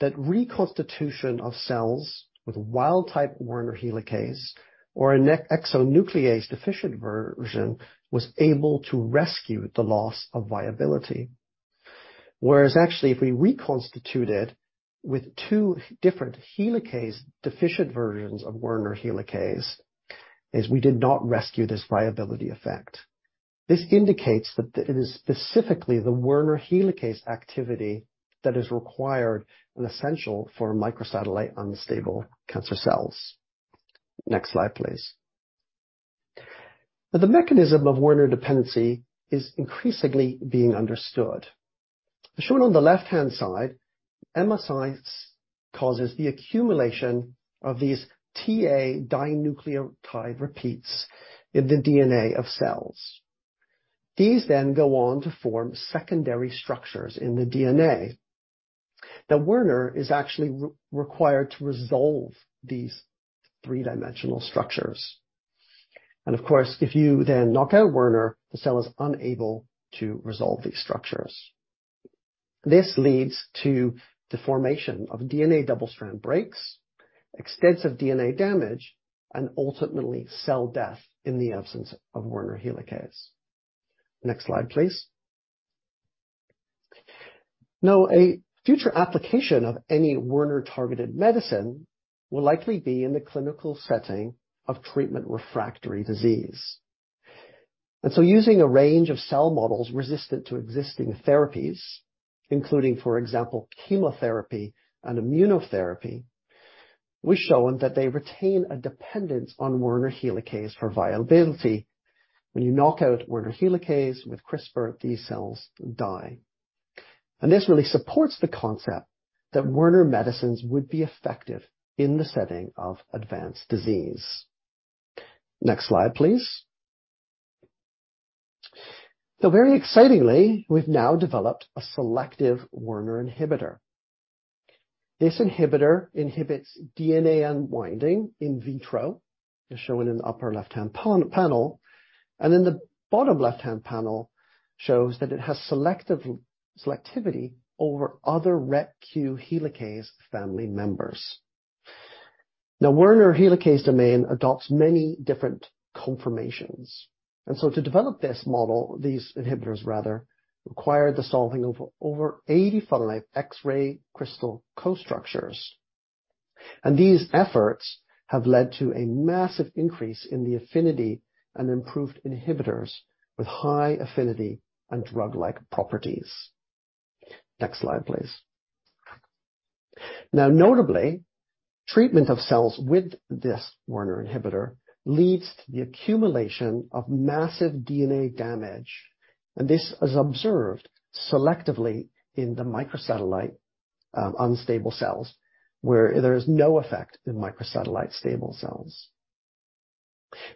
that reconstitution of cells with wild type Werner helicase or an exonuclease deficient version was able to rescue the loss of viability. Actually if we reconstituted with two different helicase-deficient versions of Werner helicase, we did not rescue this viability effect. This indicates that it is specifically the Werner helicase activity that is required and essential for microsatellite unstable cancer cells. Next slide, please. The mechanism of Werner dependency is increasingly being understood. As shown on the left-hand side, MSI causes the accumulation of these TA dinucleotide repeats in the DNA of cells. These then go on to form secondary structures in the DNA. Werner is actually re-required to resolve these three-dimensional structures. Of course, if you then knock out Werner, the cell is unable to resolve these structures. This leads to deformation of DNA double-strand breaks, extensive DNA damage, and ultimately cell death in the absence of Werner helicase. Next slide, please. A future application of any Werner-targeted medicine will likely be in the clinical setting of treatment-refractory disease. Using a range of cell models resistant to existing therapies, including for example, chemotherapy and immunotherapy, we've shown that they retain a dependence on Werner helicase for viability. When you knock out Werner helicase with CRISPR, these cells die. This really supports the concept that Werner medicines would be effective in the setting of advanced disease. Next slide, please. Very excitingly, we've now developed a selective Werner inhibitor. This inhibitor inhibits DNA unwinding in vitro, as shown in the upper left-hand panel, and in the bottom left-hand panel shows that it has selective selectivity over other RecQ helicase family members. Werner helicase domain adopts many different conformations. To develop these inhibitors rather, required the solving of over 80 funnelite X-ray crystal co-structures. These efforts have led to a massive increase in the affinity and improved inhibitors with high affinity and drug-like properties. Next slide, please. Notably, treatment of cells with this Werner inhibitor leads to the accumulation of massive DNA damage. This is observed selectively in the microsatellite unstable cells, where there is no effect in microsatellite stable cells.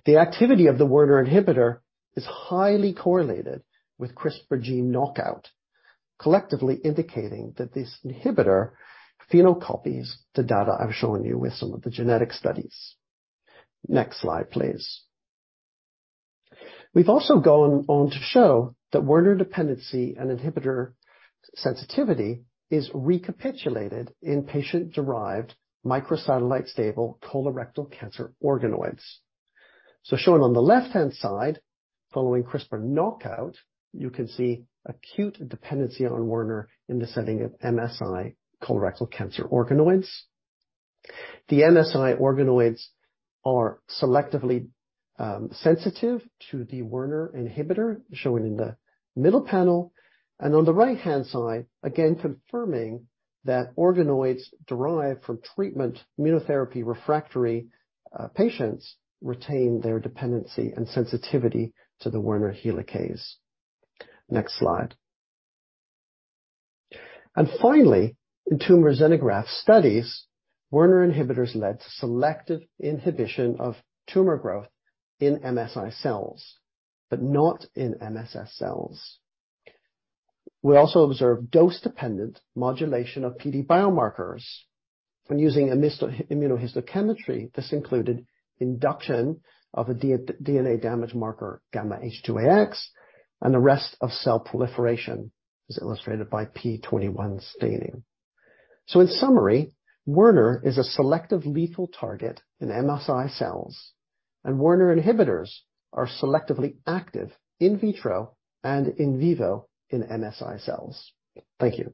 The activity of the Werner inhibitor is highly correlated with CRISPR gene knockout, collectively indicating that this inhibitor phenocopies the data I've shown you with some of the genetic studies. Next slide, please. We've also gone on to show that Werner dependency and inhibitor sensitivity is recapitulated in patient-derived microsatellite stable colorectal cancer organoids. Shown on the left-hand side, following CRISPR knockout, you can see acute dependency on Werner in the setting of MSI colorectal cancer organoids. The MSI organoids are selectively sensitive to the Werner inhibitor, shown in the middle panel. On the right-hand side, again, confirming that organoids derived from treatment immunotherapy refractory patients retain their dependency and sensitivity to the Werner helicase. Next slide. Finally, in tumor xenograft studies, Werner inhibitors led to selective inhibition of tumor growth in MSI cells, but not in MSS cells. We also observed dose-dependent modulation of PD biomarkers when using immunohistochemistry. This included induction of a DNA damage marker γH2AX, and arrest of cell proliferation, as illustrated by p21 staining. In summary, Werner is a selective lethal target in MSI cells, and Werner inhibitors are selectively active in vitro and in vivo in MSI cells. Thank you.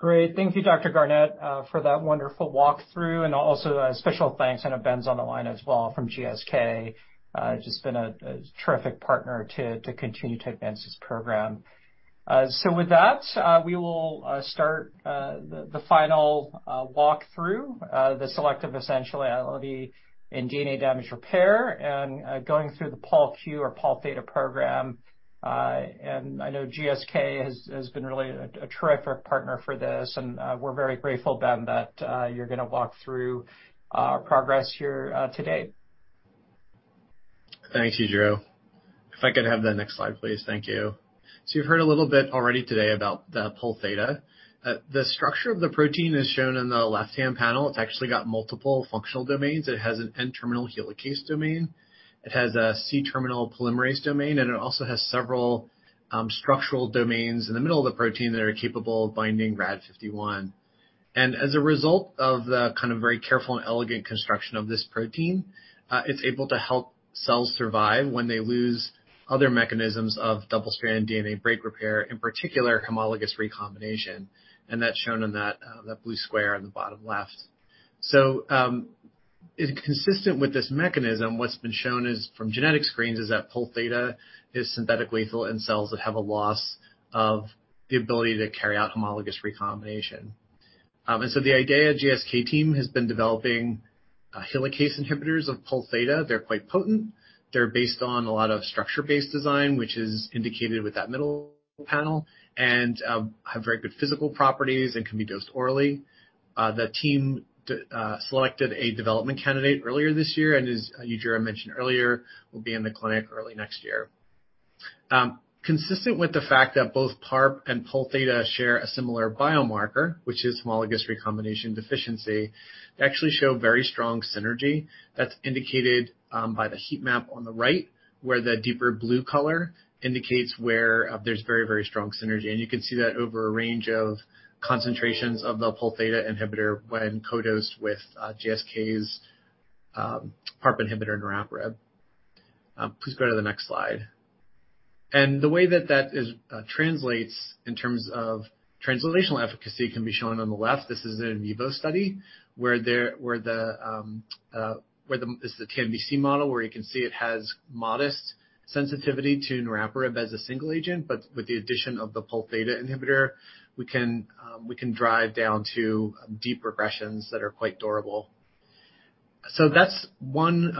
Great. Thank you, Dr. Garnett, for that wonderful walkthrough. Also a special thanks. I know Ben's on the line as well from GSK. Just been a terrific partner to continue to advance this program. With that, we will start the final walk through the selective essentiality in DNA damage repair and going through the POLQ or Pol Theta program. I know GSK has been really a terrific partner for this, and we're very grateful, Ben, that you're going to walk through our progress here today. Thank you, Yujiro. If I could have the next slide, please. Thank you. You've heard a little bit already today about the Pol Theta. The structure of the protein is shown in the left-hand panel. It's actually got multiple functional domains. It has an N-terminal helicase domain. It has a C-terminal polymerase domain, and it also has several structural domains in the middle of the protein that are capable of binding RAD51. As a result of the kind of very careful and elegant construction of this protein, it's able to help cells survive when they lose other mechanisms of double-strand DNA break repair, in particular homologous recombination, and that's shown in that blue square on the bottom left. Consistent with this mechanism, what's been shown is from genetic screens is that Pol Theta is synthetic lethal in cells that have a loss of the ability to carry out homologous recombination. The IDEAYA GSK team has been developing helicase inhibitors of Pol Theta. They're quite potent. They're based on a lot of structure-based design, which is indicated with that middle panel, and have very good physical properties and can be dosed orally. The team selected a development candidate earlier this year, and as Yura mentioned earlier, will be in the clinic early next year. Consistent with the fact that both PARP and Pol Theta share a similar biomarker, which is homologous recombination deficiency, they actually show very strong synergy that's indicated by the heat map on the right, where the deeper blue color indicates where there's very, very strong synergy. You can see that over a range of concentrations of the Pol Theta inhibitor when co-dosed with GSK's PARP inhibitor, niraparib. Please go to the next slide. The way that that is translates in terms of translational efficacy can be shown on the left. This is an in vivo study where the... This is the TNBC model, where you can see it has modest sensitivity to niraparib as a single agent, but with the addition of the Pol Theta inhibitor, we can drive down to deep regressions that are quite durable. That's one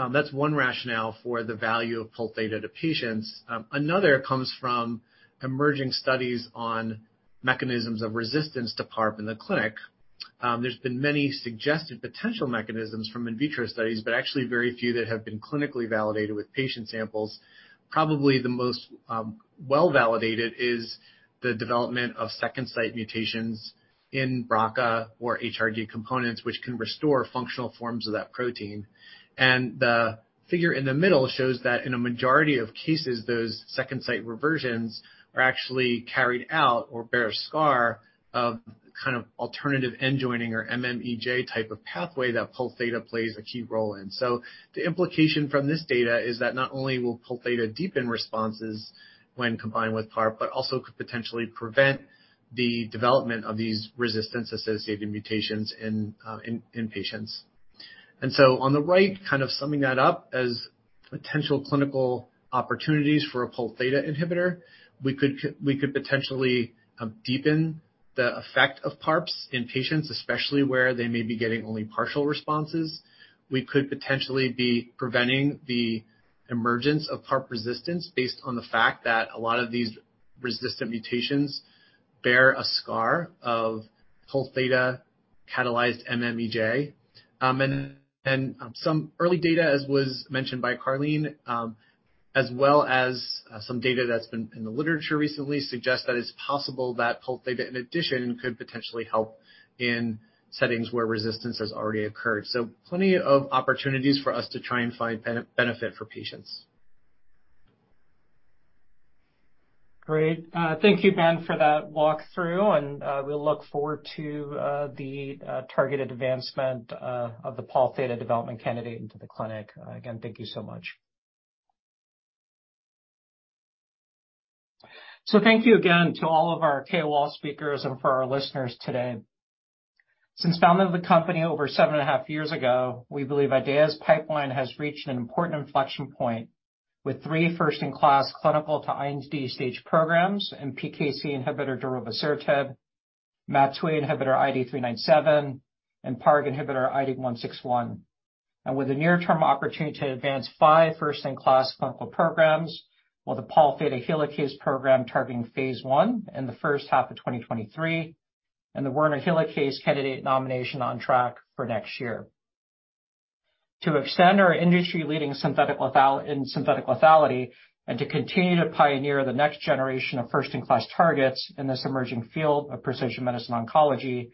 rationale for the value of Pol Theta to patients. Another comes from emerging studies on mechanisms of resistance to PARP in the clinic. There's been many suggested potential mechanisms from in vitro studies, but actually very few that have been clinically validated with patient samples. Probably the most well-validated is the development of second site mutations in BRCA or HRG components, which can restore functional forms of that protein. The figure in the middle shows that in a majority of cases, those second site reversions are actually carried out or bear a scar of kind of alternative enjoining or MMEJ type of pathway that Pol Theta plays a key role in. The implication from this data is that not only will Pol Theta deepen responses when combined with PARP, but also could potentially prevent the development of these resistance-associated mutations in patients. On the right, kind of summing that up as potential clinical opportunities for a Pol Theta inhibitor, we could potentially deepen the effect of PARPs in patients, especially where they may be getting only partial responses. We could potentially be preventing the emergence of PARP resistance based on the fact that a lot of these resistant mutations bear a scar of Pol Theta catalyzed MMEJ. Some early data, as was mentioned by Karlene, as well as, some data that's been in the literature recently suggests that it's possible that Pol Theta, in addition, could potentially help in settings where resistance has already occurred. Plenty of opportunities for us to try and find benefit for patients. Great. Thank you, Ben, for that walkthrough, we'll look forward to the targeted advancement of the Pol Theta development candidate into the clinic. Again, thank you so much. Thank you again to all of our KOL speakers and for our listeners today. Since founding the company over 7.5 years ago, we believe IDEAYA's pipeline has reached an important inflection point with 3 first-in-class clinical to IND stage programs and PKC inhibitor darovasertib, MAT2A inhibitor IDE397, and PARP inhibitor IDE161. With the near-term opportunity to advance 5 first-in-class clinical programs or the Pol Theta Helicase program targeting phase 1 in the first half of 2023, and the Werner Helicase candidate nomination on track for next year. To extend our industry-leading synthetic lethality, and to continue to pioneer the next generation of first-in-class targets in this emerging field of precision medicine oncology,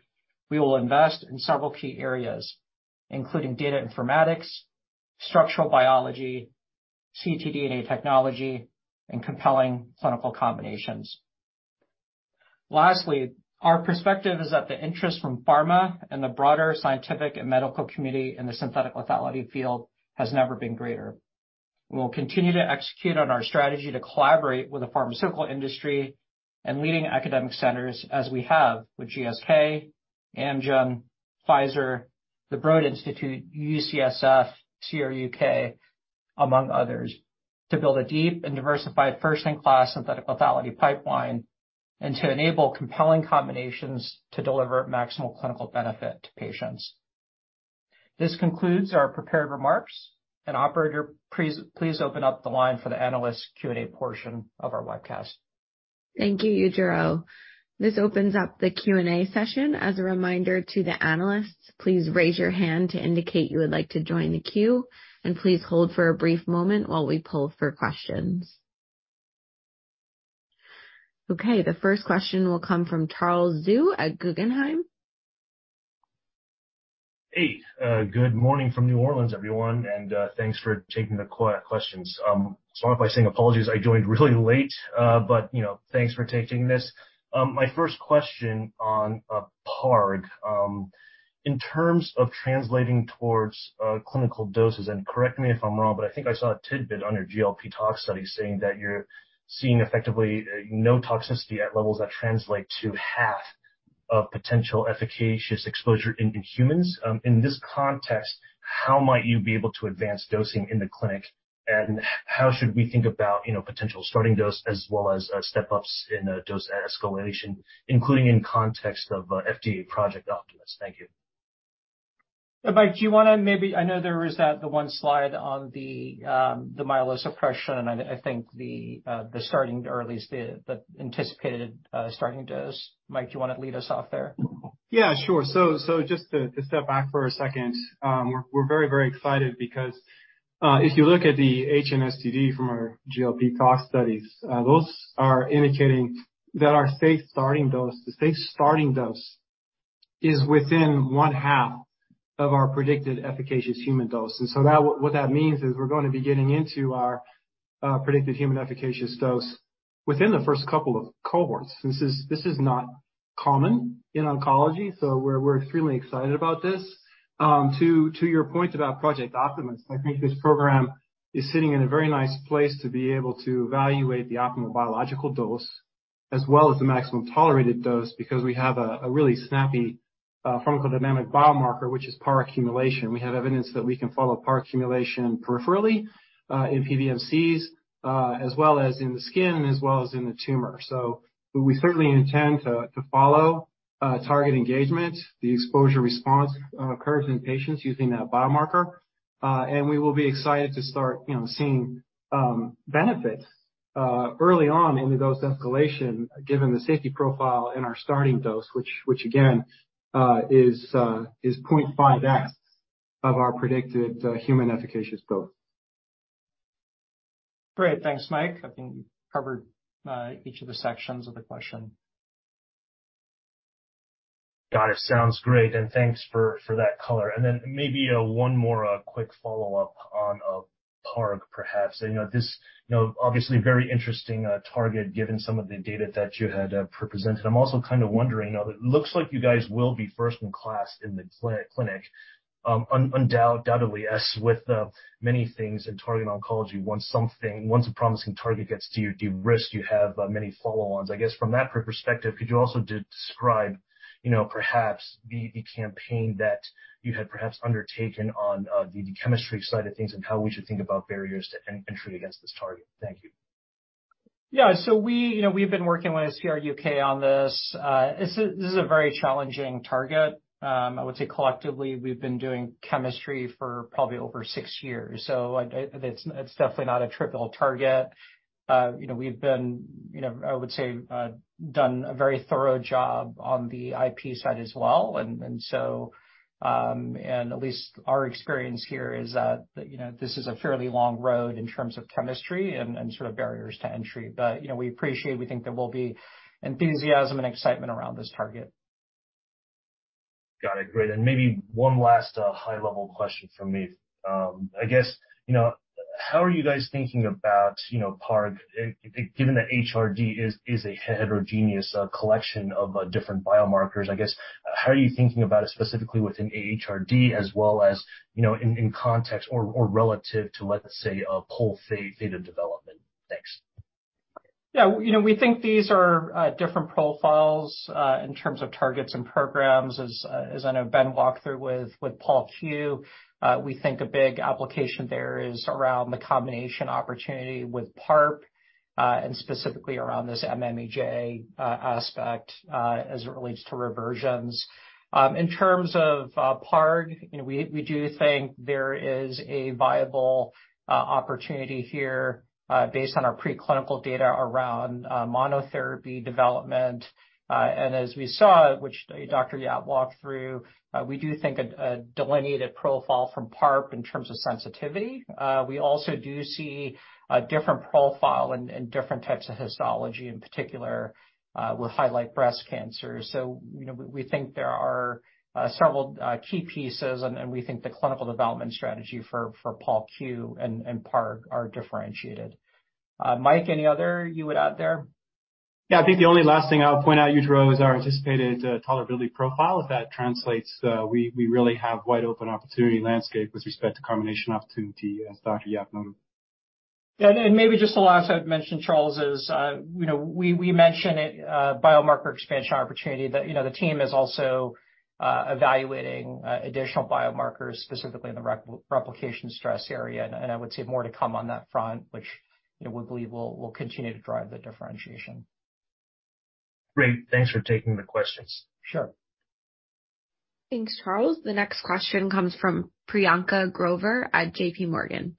we will invest in several key areas, including data informatics, structural biology, ctDNA technology, and compelling clinical combinations. Lastly, our perspective is that the interest from pharma and the broader scientific and medical community in the synthetic lethality field has never been greater. We'll continue to execute on our strategy to collaborate with the pharmaceutical industry and leading academic centers as we have with GSK, Amgen, Pfizer, the Broad Institute, UCSF, CRUK, among others, to build a deep and diversified first-in-class synthetic lethality pipeline and to enable compelling combinations to deliver maximal clinical benefit to patients. This concludes our prepared remarks. Operator, please open up the line for the analyst Q&A portion of our webcast. Thank you, Yujiro. This opens up the Q&A session. As a reminder to the analysts, please raise your hand to indicate you would like to join the queue, and please hold for a brief moment while we pull for questions. Okay, the first question will come from Charles Zhu at Guggenheim. Hey, good morning from New Orleans, everyone, thanks for taking the questions. Start off by saying apologies, I joined really late, you know, thanks for taking this. My first question on PARP. In terms of translating towards clinical doses, correct me if I'm wrong, I think I saw a tidbit on your GLP tox study saying that you're seeing effectively no toxicity at levels that translate to half of potential efficacious exposure in humans. In this context, how might you be able to advance dosing in the clinic? How should we think about, you know, potential starting dose as well as step-ups in a dose escalation, including in context of FDA Project Optimus? Thank you. I know there was that, the one slide on the myelosuppression, and I think the starting or at least the anticipated starting dose. Mike, do you wanna lead us off there? Yeah, sure. Just to step back for a second, we're very, very excited because if you look at the HNSTD from our GLP tox studies, those are indicating that our safe starting dose is within one half of our predicted efficacious human dose. What that means is we're gonna be getting into our predicted human efficacious dose within the first couple of cohorts. This is not common in oncology, so we're extremely excited about this. To your point about Project Optimus, I think this program is sitting in a very nice place to be able to evaluate the optimal biological dose as well as the maximum tolerated dose because we have a really snappy pharmacodynamic biomarker, which is PAR accumulation. We have evidence that we can follow PAR accumulation peripherally, in PBMCs, as well as in the skin and as well as in the tumor. We certainly intend to follow target engagement, the exposure response, curves in patients using that biomarker, and we will be excited to start, you know, seeing benefits. Early on in the dose escalation, given the safety profile and our starting dose, which again, is 0.5x of our predicted human efficacious dose. Great. Thanks, Mike. I think you covered each of the sections of the question. Got it. Sounds great, thanks for that color. Then maybe one more quick follow-up on PARP, perhaps. I know this, you know, obviously very interesting target, given some of the data that you had presented. I'm also kind of wondering, you know, it looks like you guys will be first in class in the clinic, undoubtedly, as with many things in target oncology, once a promising target gets derisked, you have many follow-ons. I guess from that perspective, could you also describe, you know, perhaps the campaign that you had perhaps undertaken on the chemistry side of things, and how we should think about barriers to entry against this target? Thank you. Yeah. We, you know, we've been working with CRUK on this. This is a very challenging target. I would say, collectively, we've been doing chemistry for probably over six years, so it's definitely not a trivial target. You know, we've been, you know, I would say, done a very thorough job on the IP side as well. At least our experience here is that, you know, this is a fairly long road in terms of chemistry and sort of barriers to entry. You know, we appreciate, we think there will be enthusiasm and excitement around this target. Got it. Great. Maybe one last high level question from me. I guess, you know, how are you guys thinking about, you know, PARP given that HRD is a heterogeneous collection of different biomarkers? I guess, how are you thinking about it specifically within HRD as well as, you know, in context or relative to, let's say, a whole data development? Thanks. You know, we think these are different profiles in terms of targets and programs as I know Ben walked through with POLQ. We think a big application there is around the combination opportunity with PARP and specifically around this MMEJ aspect as it relates to reversions. In terms of PARP, you know, we do think there is a viable opportunity here based on our preclinical data around monotherapy development. As we saw, which Dr. Yap walked through, we do think a delineated profile from PARP in terms of sensitivity. We also do see a different profile and different types of histology, in particular, with highlight breast cancer. you know, we think there are several key pieces and we think the clinical development strategy for POLQ and PARP are differentiated. Mike, any other you would add there? Yeah. I think the only last thing I'll point out, Utro, is our anticipated tolerability profile. If that translates, we really have wide open opportunity landscape with respect to combination opportunity, as Dr. Yap noted. Yeah. Maybe just the last I'd mention, Charles, is, you know, we mention it, biomarker expansion opportunity that, you know, the team is also evaluating additional biomarkers, specifically in the replication stress area. I would say more to come on that front, which, you know, we believe will continue to drive the differentiation. Great. Thanks for taking the questions. Sure. Thanks, Charles. The next question comes from Priyanka Grover at JP Morgan.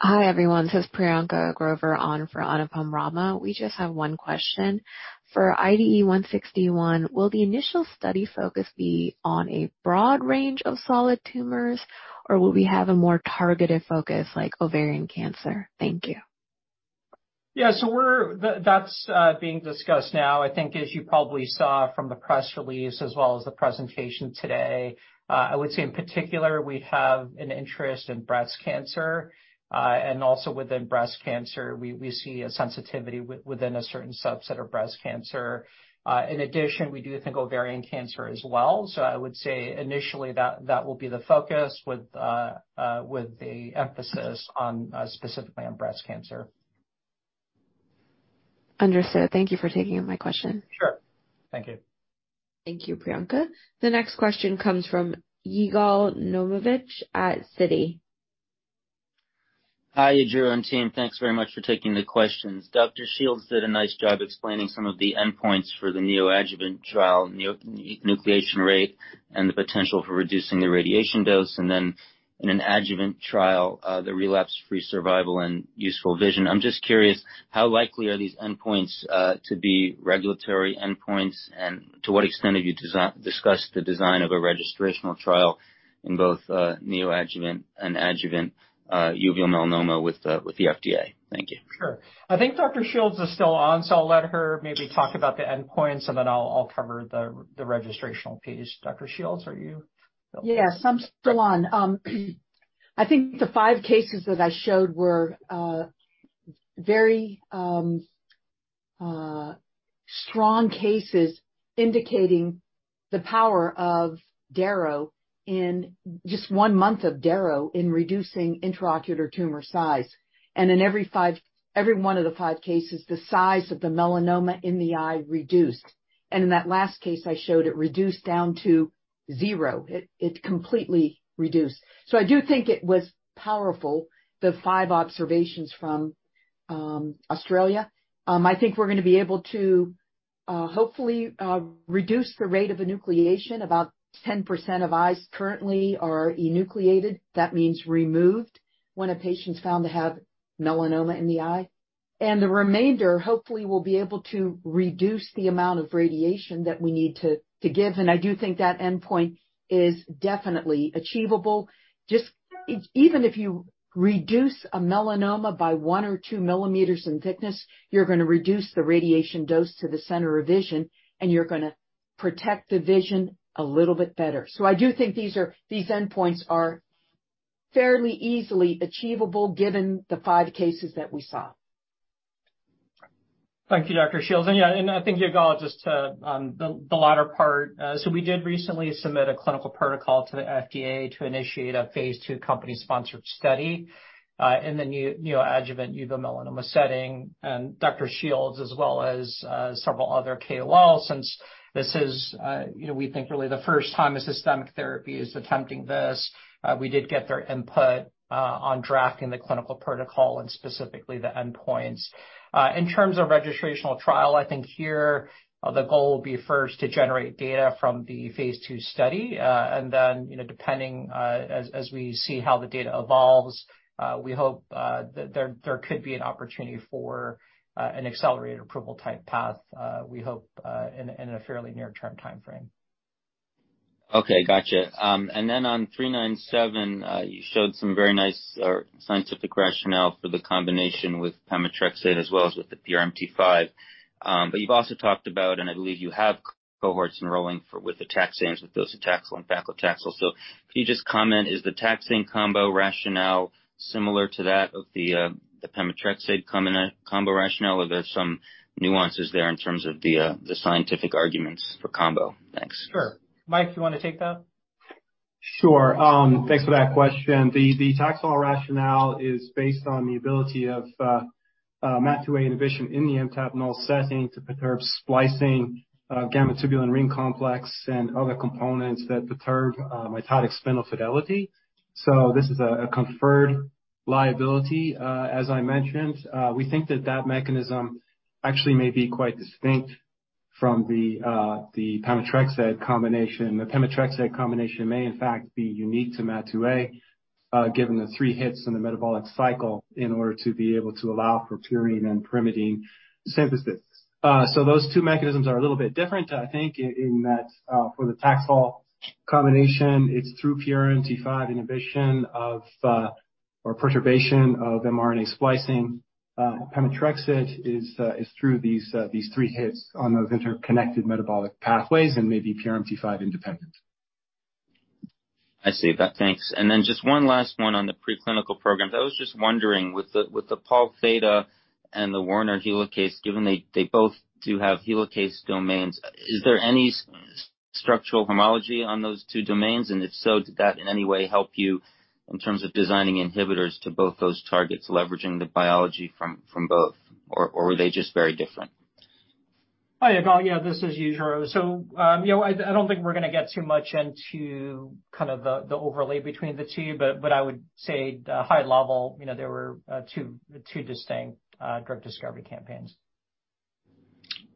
Hi, everyone. This is Priyanka Grover on for Anupam Rama. We just have one question. For IDE161, will the initial study focus be on a broad range of solid tumors, or will we have a more targeted focus like ovarian cancer? Thank you. Yeah. That's being discussed now. I think as you probably saw from the press release as well as the presentation today, I would say in particular, we have an interest in breast cancer. Also within breast cancer, we see a sensitivity within a certain subset of breast cancer. In addition, we do think ovarian cancer as well. I would say initially that will be the focus with the emphasis on specifically on breast cancer. Understood. Thank you for taking my question. Sure. Thank you. Thank you, Priyanka. The next question comes from Yigal Nochomovitz at Citi. Hi, Yujiro and team. Thanks very much for taking the questions. Dr. Shields did a nice job explaining some of the endpoints for the neoadjuvant trial, enucleation rate and the potential for reducing the radiation dose, and then in an adjuvant trial, the relapse-free survival and useful vision. I'm just curious, how likely are these endpoints to be regulatory endpoints? To what extent have you discussed the design of a registrational trial in both neoadjuvant and adjuvant uveal melanoma with the FDA? Thank you. Sure. I think Dr. Shields is still on, so I'll let her maybe talk about the endpoint, so then I'll cover the registrational piece. Dr. Shields, are you still? Yes, I'm still on. I think the five cases that I showed were very strong cases indicating the power of Daro in just one month of Daro in reducing intraocular tumor size. In every one of the five cases, the size of the melanoma in the eye reduced. In that last case I showed, it reduced down to zero. It completely reduced. I do think it was powerful, the five observations from Australia. I think we're gonna be able to hopefully reduce the rate of enucleation. About 10% of eyes currently are enucleated. That means removed, when a patient's found to have melanoma in the eye. The remainder, hopefully, will be able to reduce the amount of radiation that we need to give. I do think that endpoint is definitely achievable. Just even if you reduce a melanoma by one or two millimeters in thickness, you're gonna reduce the radiation dose to the center of vision, and you're gonna protect the vision a little bit better. I do think these endpoints are fairly easily achievable given the five cases that we saw. Thank you, Dr. Shields. Yeah, I think, Yigal, just to, the latter part, we did recently submit a clinical protocol to the FDA to initiate a phase 2 company-sponsored study, in the neoadjuvant uveal melanoma setting. Dr. Shields, as well as, several other KOLs, since this is, you know, we think really the first time a systemic therapy is attempting this, we did get their input, on drafting the clinical protocol and specifically the endpoints. In terms of registrational trial, I think here, the goal will be first to generate data from the phase 2 study. Then, you know, depending, as we see how the data evolves, we hope, that there could be an opportunity for, an accelerated approval type path, we hope, in a fairly near-term timeframe. Okay. Gotcha. Then on 397, you showed some very nice scientific rationale for the combination with pemetrexed as well as with the PRMT5. You've also talked about, and I believe you have cohorts enrolling for with the taxanes, with docetaxel and paclitaxel. Can you just comment, is the taxane combo rationale similar to that of the pemetrexed combi-combo rationale, or there's some nuances there in terms of the scientific arguments for combo? Thanks. Sure. Mike, do you wanna take that? Sure. Thanks for that question. The taxol rationale is based on the ability of MAT2A inhibition in the MTAP-deletion setting to perturb splicing of gamma-tubulin ring complex and other components that perturb mitotic spindle fidelity. This is a conferred liability. As I mentioned, we think that that mechanism actually may be quite distinct from the pemetrexed combination. The pemetrexed combination may, in fact, be unique to MAT2A, given the three hits in the metabolic cycle in order to be able to allow for purine and pyrimidine synthesis. Those two mechanisms are a little bit different, I think, in that for the taxol combination, it's through PRMT5 inhibition of or perturbation of mRNA splicing. Pemetrexed is through these three hits on those interconnected metabolic pathways and may be PRMT5 independent. I see that. Thanks. Then just one last one on the preclinical programs. I was just wondering, with the Pol Theta and the Werner helicase, given they both do have helicase domains, is there any structural homology on those two domains? If so, did that in any way help you in terms of designing inhibitors to both those targets, leveraging the biology from both, or were they just very different? Hi, Yigal. Yeah, this is Jiro. You know, I don't think we're gonna get too much into kind of the overlay between the two, but I would say high level, you know, there were two distinct drug discovery campaigns.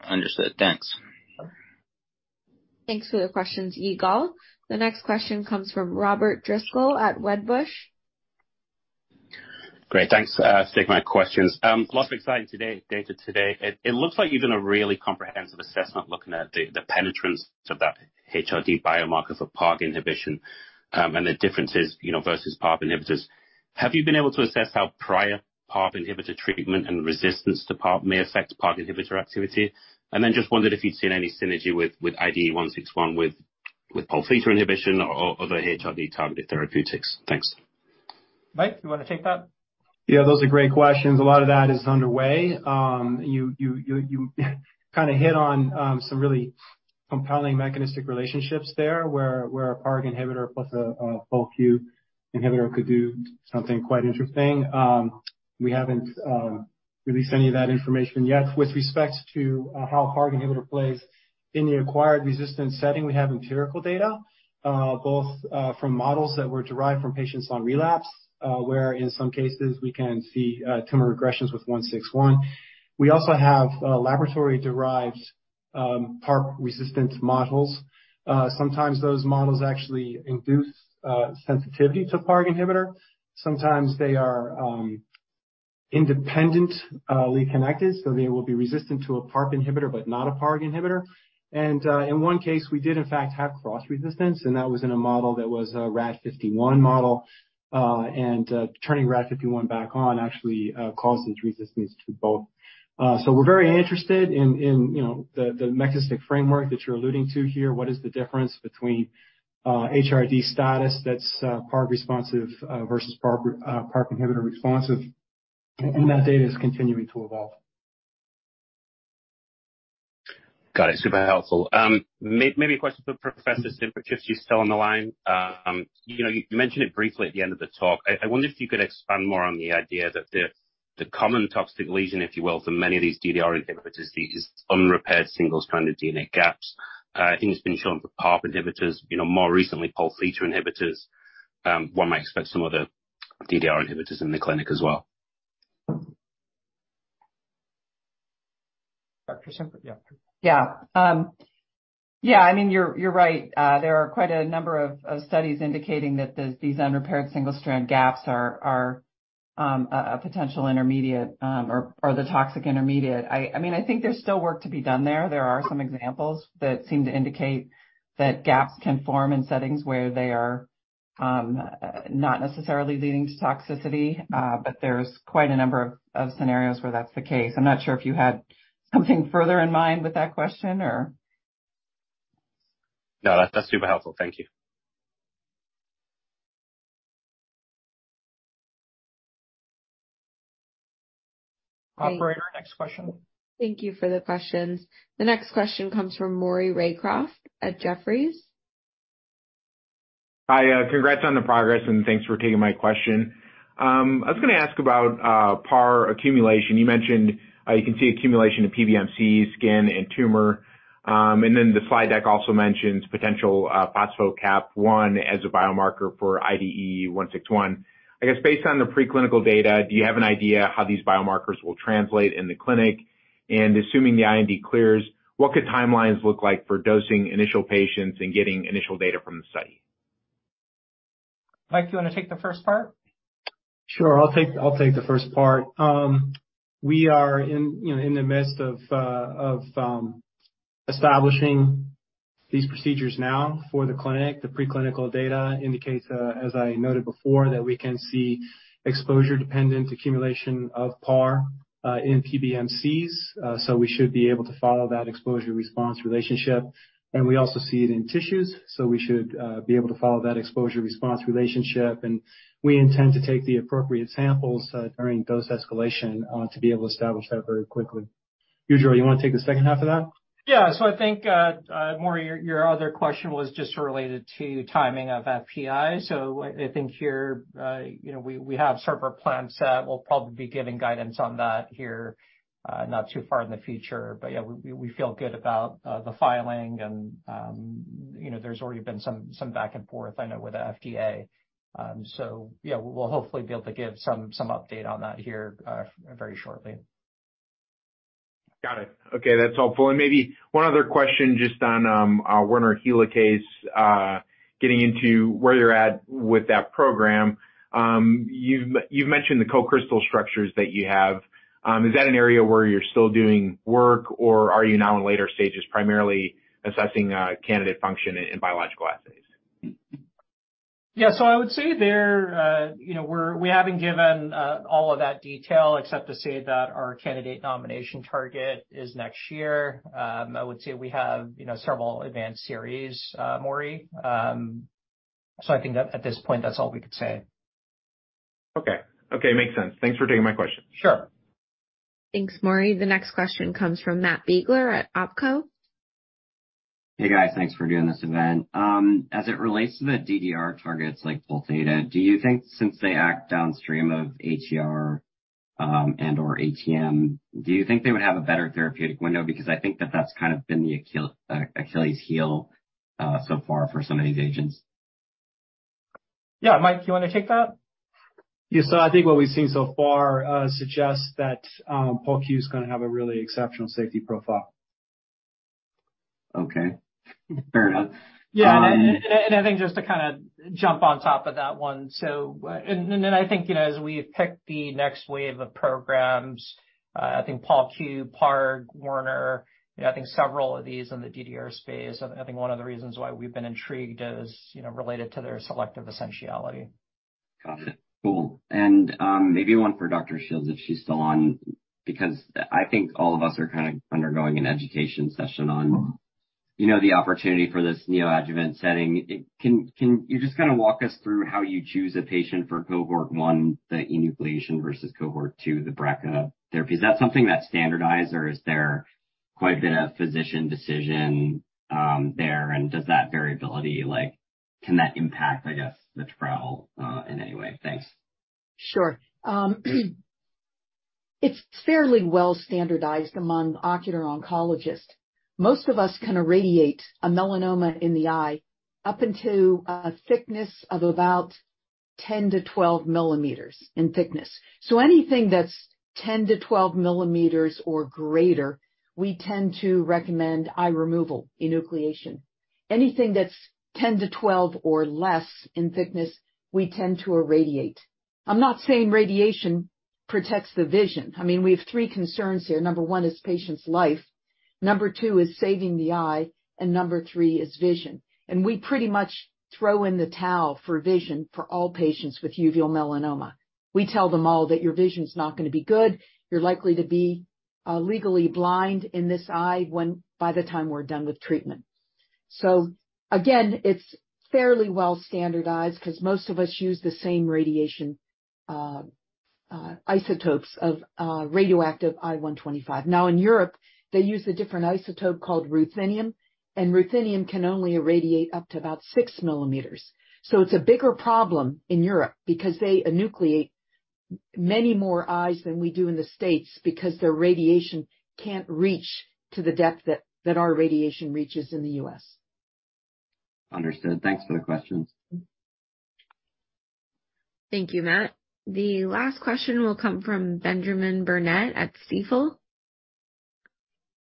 Understood. Thanks. Sure. Thanks for the questions, Yigal. The next question comes from Robert Driscoll at Wedbush. Great. Thanks. taking my questions. lots of exciting data today. It looks like you did a really comprehensive assessment looking at the penetrance of that HRD biomarker for PARP inhibition, and the differences, you know, versus PARP inhibitors. Have you been able to assess how prior PARP inhibitor treatment and resistance to PARP may affect PARP inhibitor activity? just wondered if you'd seen any synergy with IDE161 with Pol Theta inhibition or the HRD-targeted therapeutics. Thanks. Mike, do you wanna take that? Yeah, those are great questions. A lot of that is underway. you kinda hit on some really compelling mechanistic relationships there, where a PARP inhibitor plus a POLQ inhibitor could do something quite interesting. we haven't released any of that information yet. With respect to, how a PARP inhibitor plays in the acquired resistant setting, we have empirical data, both, from models that were derived from patients on relapse, where in some cases we can see, tumor regressions with 161. We also have laboratory-derived, PARP-resistant models. Sometimes those models actually induce, sensitivity to PARP inhibitor. Sometimes they are, independently connected, so they will be resistant to a PARP inhibitor but not a PARP inhibitor. In one case, we did in fact have cross resistance, and that was in a model that was a RAD51 model. Turning RAD51 back on actually caused this resistance to both. We're very interested in, you know, the mechanistic framework that you're alluding to here. What is the difference between HRD status that's PARP responsive versus PARP inhibitor responsive? That data is continuing to evolve. Got it. Super helpful. maybe a question for Professor Shields, if she's still on the line. you know, you mentioned it briefly at the end of the talk. I wonder if you could expand more on the idea that the common toxic lesion, if you will, to many of these DDR inhibitors is unrepaired single-stranded DNA gaps. I think it's been shown for PARP inhibitors, you know, more recently Pol Theta inhibitors. one might expect some other DDR inhibitors in the clinic as well. Dr. Shields, yeah. I mean, you're right. There are quite a number of studies indicating that these unrepaired single-strand gaps are a potential intermediate, or the toxic intermediate. I mean, I think there's still work to be done there. There are some examples that seem to indicate that gaps can form in settings where they are not necessarily leading to toxicity, but there's quite a number of scenarios where that's the case. I'm not sure if you had something further in mind with that question or? No, that's super helpful. Thank you. Okay. Operator, next question. Thank you for the questions. The next question comes from Maury Raycroft at Jefferies. Hi. Congrats on the progress, and thanks for taking my question. I was gonna ask about PAR accumulation. You mentioned, you can see accumulation of PBMCs, skin and tumor. The slide deck also mentions potential phospho-K AP1 as a biomarker for IDE161. I guess based on the preclinical data, do you have an idea how these biomarkers will translate in the clinic? Assuming the IND clears, what could timelines look like for dosing initial patients and getting initial data from the study? Mike, do you want to take the first part? Sure. I'll take the first part. We are in, you know, in the midst of establishing these procedures now for the clinic. The preclinical data indicates, as I noted before, that we can see exposure-dependent accumulation of PAR in PBMCs. We should be able to follow that exposure-response relationship. We also see it in tissues, we should be able to follow that exposure-response relationship, and we intend to take the appropriate samples during dose escalation to be able to establish that very quickly. Ugur, you wanna take the second half of that? I think, Maury, your other question was just related to timing of FPI. I think here, you know, we have several plans set. We'll probably be giving guidance on that here, not too far in the future. Yeah, we feel good about the filing and, you know, there's already been some back and forth, I know, with the FDA. Yeah, we'll hopefully be able to give some update on that here, very shortly. Got it. Okay, that's helpful. Maybe one other question just on Werner helicase getting into where you're at with that program. You've mentioned the co-crystal structures that you have. Is that an area where you're still doing work, or are you now in later stages, primarily assessing candidate function in biological assays? Yeah. I would say there, you know, we haven't given all of that detail except to say that our candidate nomination target is next year. I would say we have, you know, several advanced series, Maury. I think at this point that's all we could say. Okay. Okay, makes sense. Thanks for taking my question. Sure. Thanks, Maury. The next question comes from Matt Biegler at Oppenheimer. Hey, guys. Thanks for doing this event. As it relates to the DDR targets like Pol Theta, do you think since they act downstream of ATR, and/or ATM, do you think they would have a better therapeutic window? Because I think that that's kind of been the Achilles heel so far for some of these agents. Yeah. Mike, do you wanna take that? I think what we've seen so far suggests that POLQ is gonna have a really exceptional safety profile. Okay. Fair enough. I think just to kinda jump on top of that one, and then I think, you know, as we've picked the next wave of programs, I think POLQ, PARP, Werner, you know, I think several of these in the DDR space, I think one of the reasons why we've been intrigued is, you know, related to their selective essentiality. Got it. Cool. Maybe one for Dr. Shields if she's still on, because I think all of us are kind of undergoing an education session on, you know, the opportunity for this neoadjuvant setting. Can you just kinda walk us through how you choose a patient for cohort 1, the enucleation, versus cohort 2, the BRCA therapies? Is that something that's standardized, or is there quite a bit of physician decision there, and does that variability, like, can that impact, I guess, the trial in any way? Thanks. Sure. It's fairly well standardized among ocular oncologists. Most of us can irradiate a melanoma in the eye up until a thickness of about 10-12 millimeters in thickness. Anything that's 10-12 millimeters or greater, we tend to recommend eye removal, enucleation. Anything that's 10-12 or less in thickness, we tend to irradiate. I'm not saying radiation protects the vision. I mean, we have 3 concerns here. Number 1 is patient's life, number 2 is saving the eye, and number 3 is vision. We pretty much throw in the towel for vision for all patients with uveal melanoma. We tell them all that your vision's not gonna be good. You're likely to be legally blind in this eye by the time we're done with treatment. Again, it's fairly well standardized 'cause most of us use the same radiation isotopes of radioactive I-125. Now in Europe, they use a different isotope called ruthenium, and ruthenium can only irradiate up to about 6 millimeters. It's a bigger problem in Europe because they enucleate many more eyes than we do in the States because their radiation can't reach to the depth that our radiation reaches in the U.S. Understood. Thanks for the questions. Thank you, Matt. The last question will come from Benjamin Burnett at Stifel.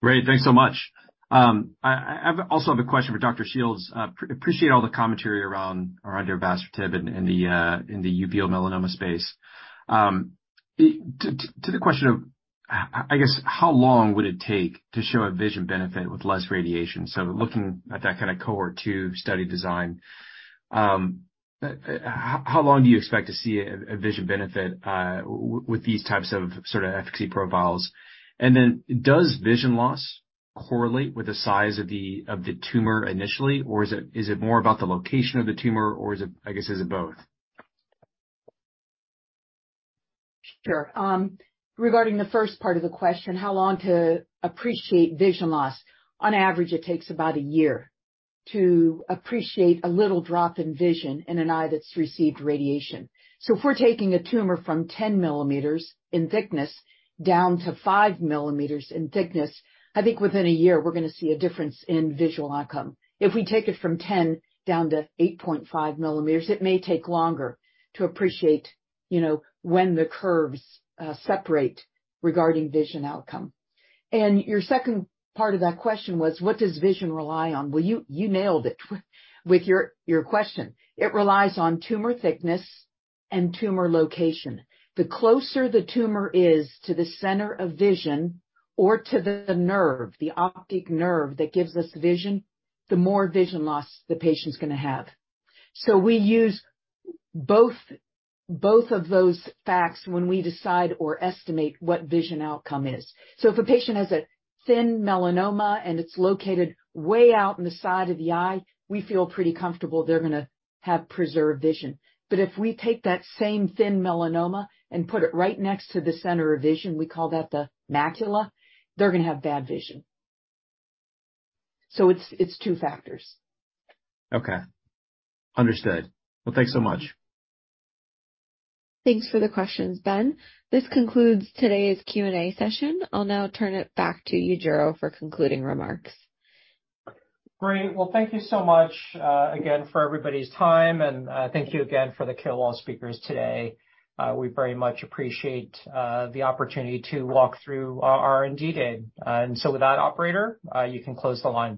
Great, thanks so much. I also have a question for Dr. Shields. Appreciate all the commentary around darovasertib in the uveal melanoma space. To the question of, I guess, how long would it take to show a vision benefit with less radiation? Looking at that kind of cohort 2 study design, how long do you expect to see a vision benefit with these types of efficacy profiles? Does vision loss correlate with the size of the tumor initially, or is it more about the location of the tumor or is it, I guess is it both? Sure. Regarding the first part of the question, how long to appreciate vision loss? On average, it takes about a year to appreciate a little drop in vision in an eye that's received radiation. If we're taking a tumor from 10 millimeters in thickness down to 5 millimeters in thickness, I think within a year we're gonna see a difference in visual outcome. If we take it from 10 down to 8.5 millimeters, it may take longer to appreciate, you know, when the curves separate regarding vision outcome. Your second part of that question was what does vision rely on? Well, you nailed it with your question. It relies on tumor thickness and tumor location. The closer the tumor is to the center of vision or to the nerve, the optic nerve that gives us vision, the more vision loss the patient's gonna have. We use both of those facts when we decide or estimate what vision outcome is. If a patient has a thin melanoma and it's located way out in the side of the eye, we feel pretty comfortable they're gonna have preserved vision. If we take that same thin melanoma and put it right next to the center of vision, we call that the macula, they're gonna have bad vision. It's 2 factors. Okay. Understood. Well, thanks so much. Thanks for the questions, Ben. This concludes today's Q&A session. I'll now turn it back to you, Yujiro, for concluding remarks. Great. Well, thank you so much, again for everybody's time, and thank you again for the KOL speakers today. We very much appreciate the opportunity to walk through our R&D day. With that, operator, you can close the line now.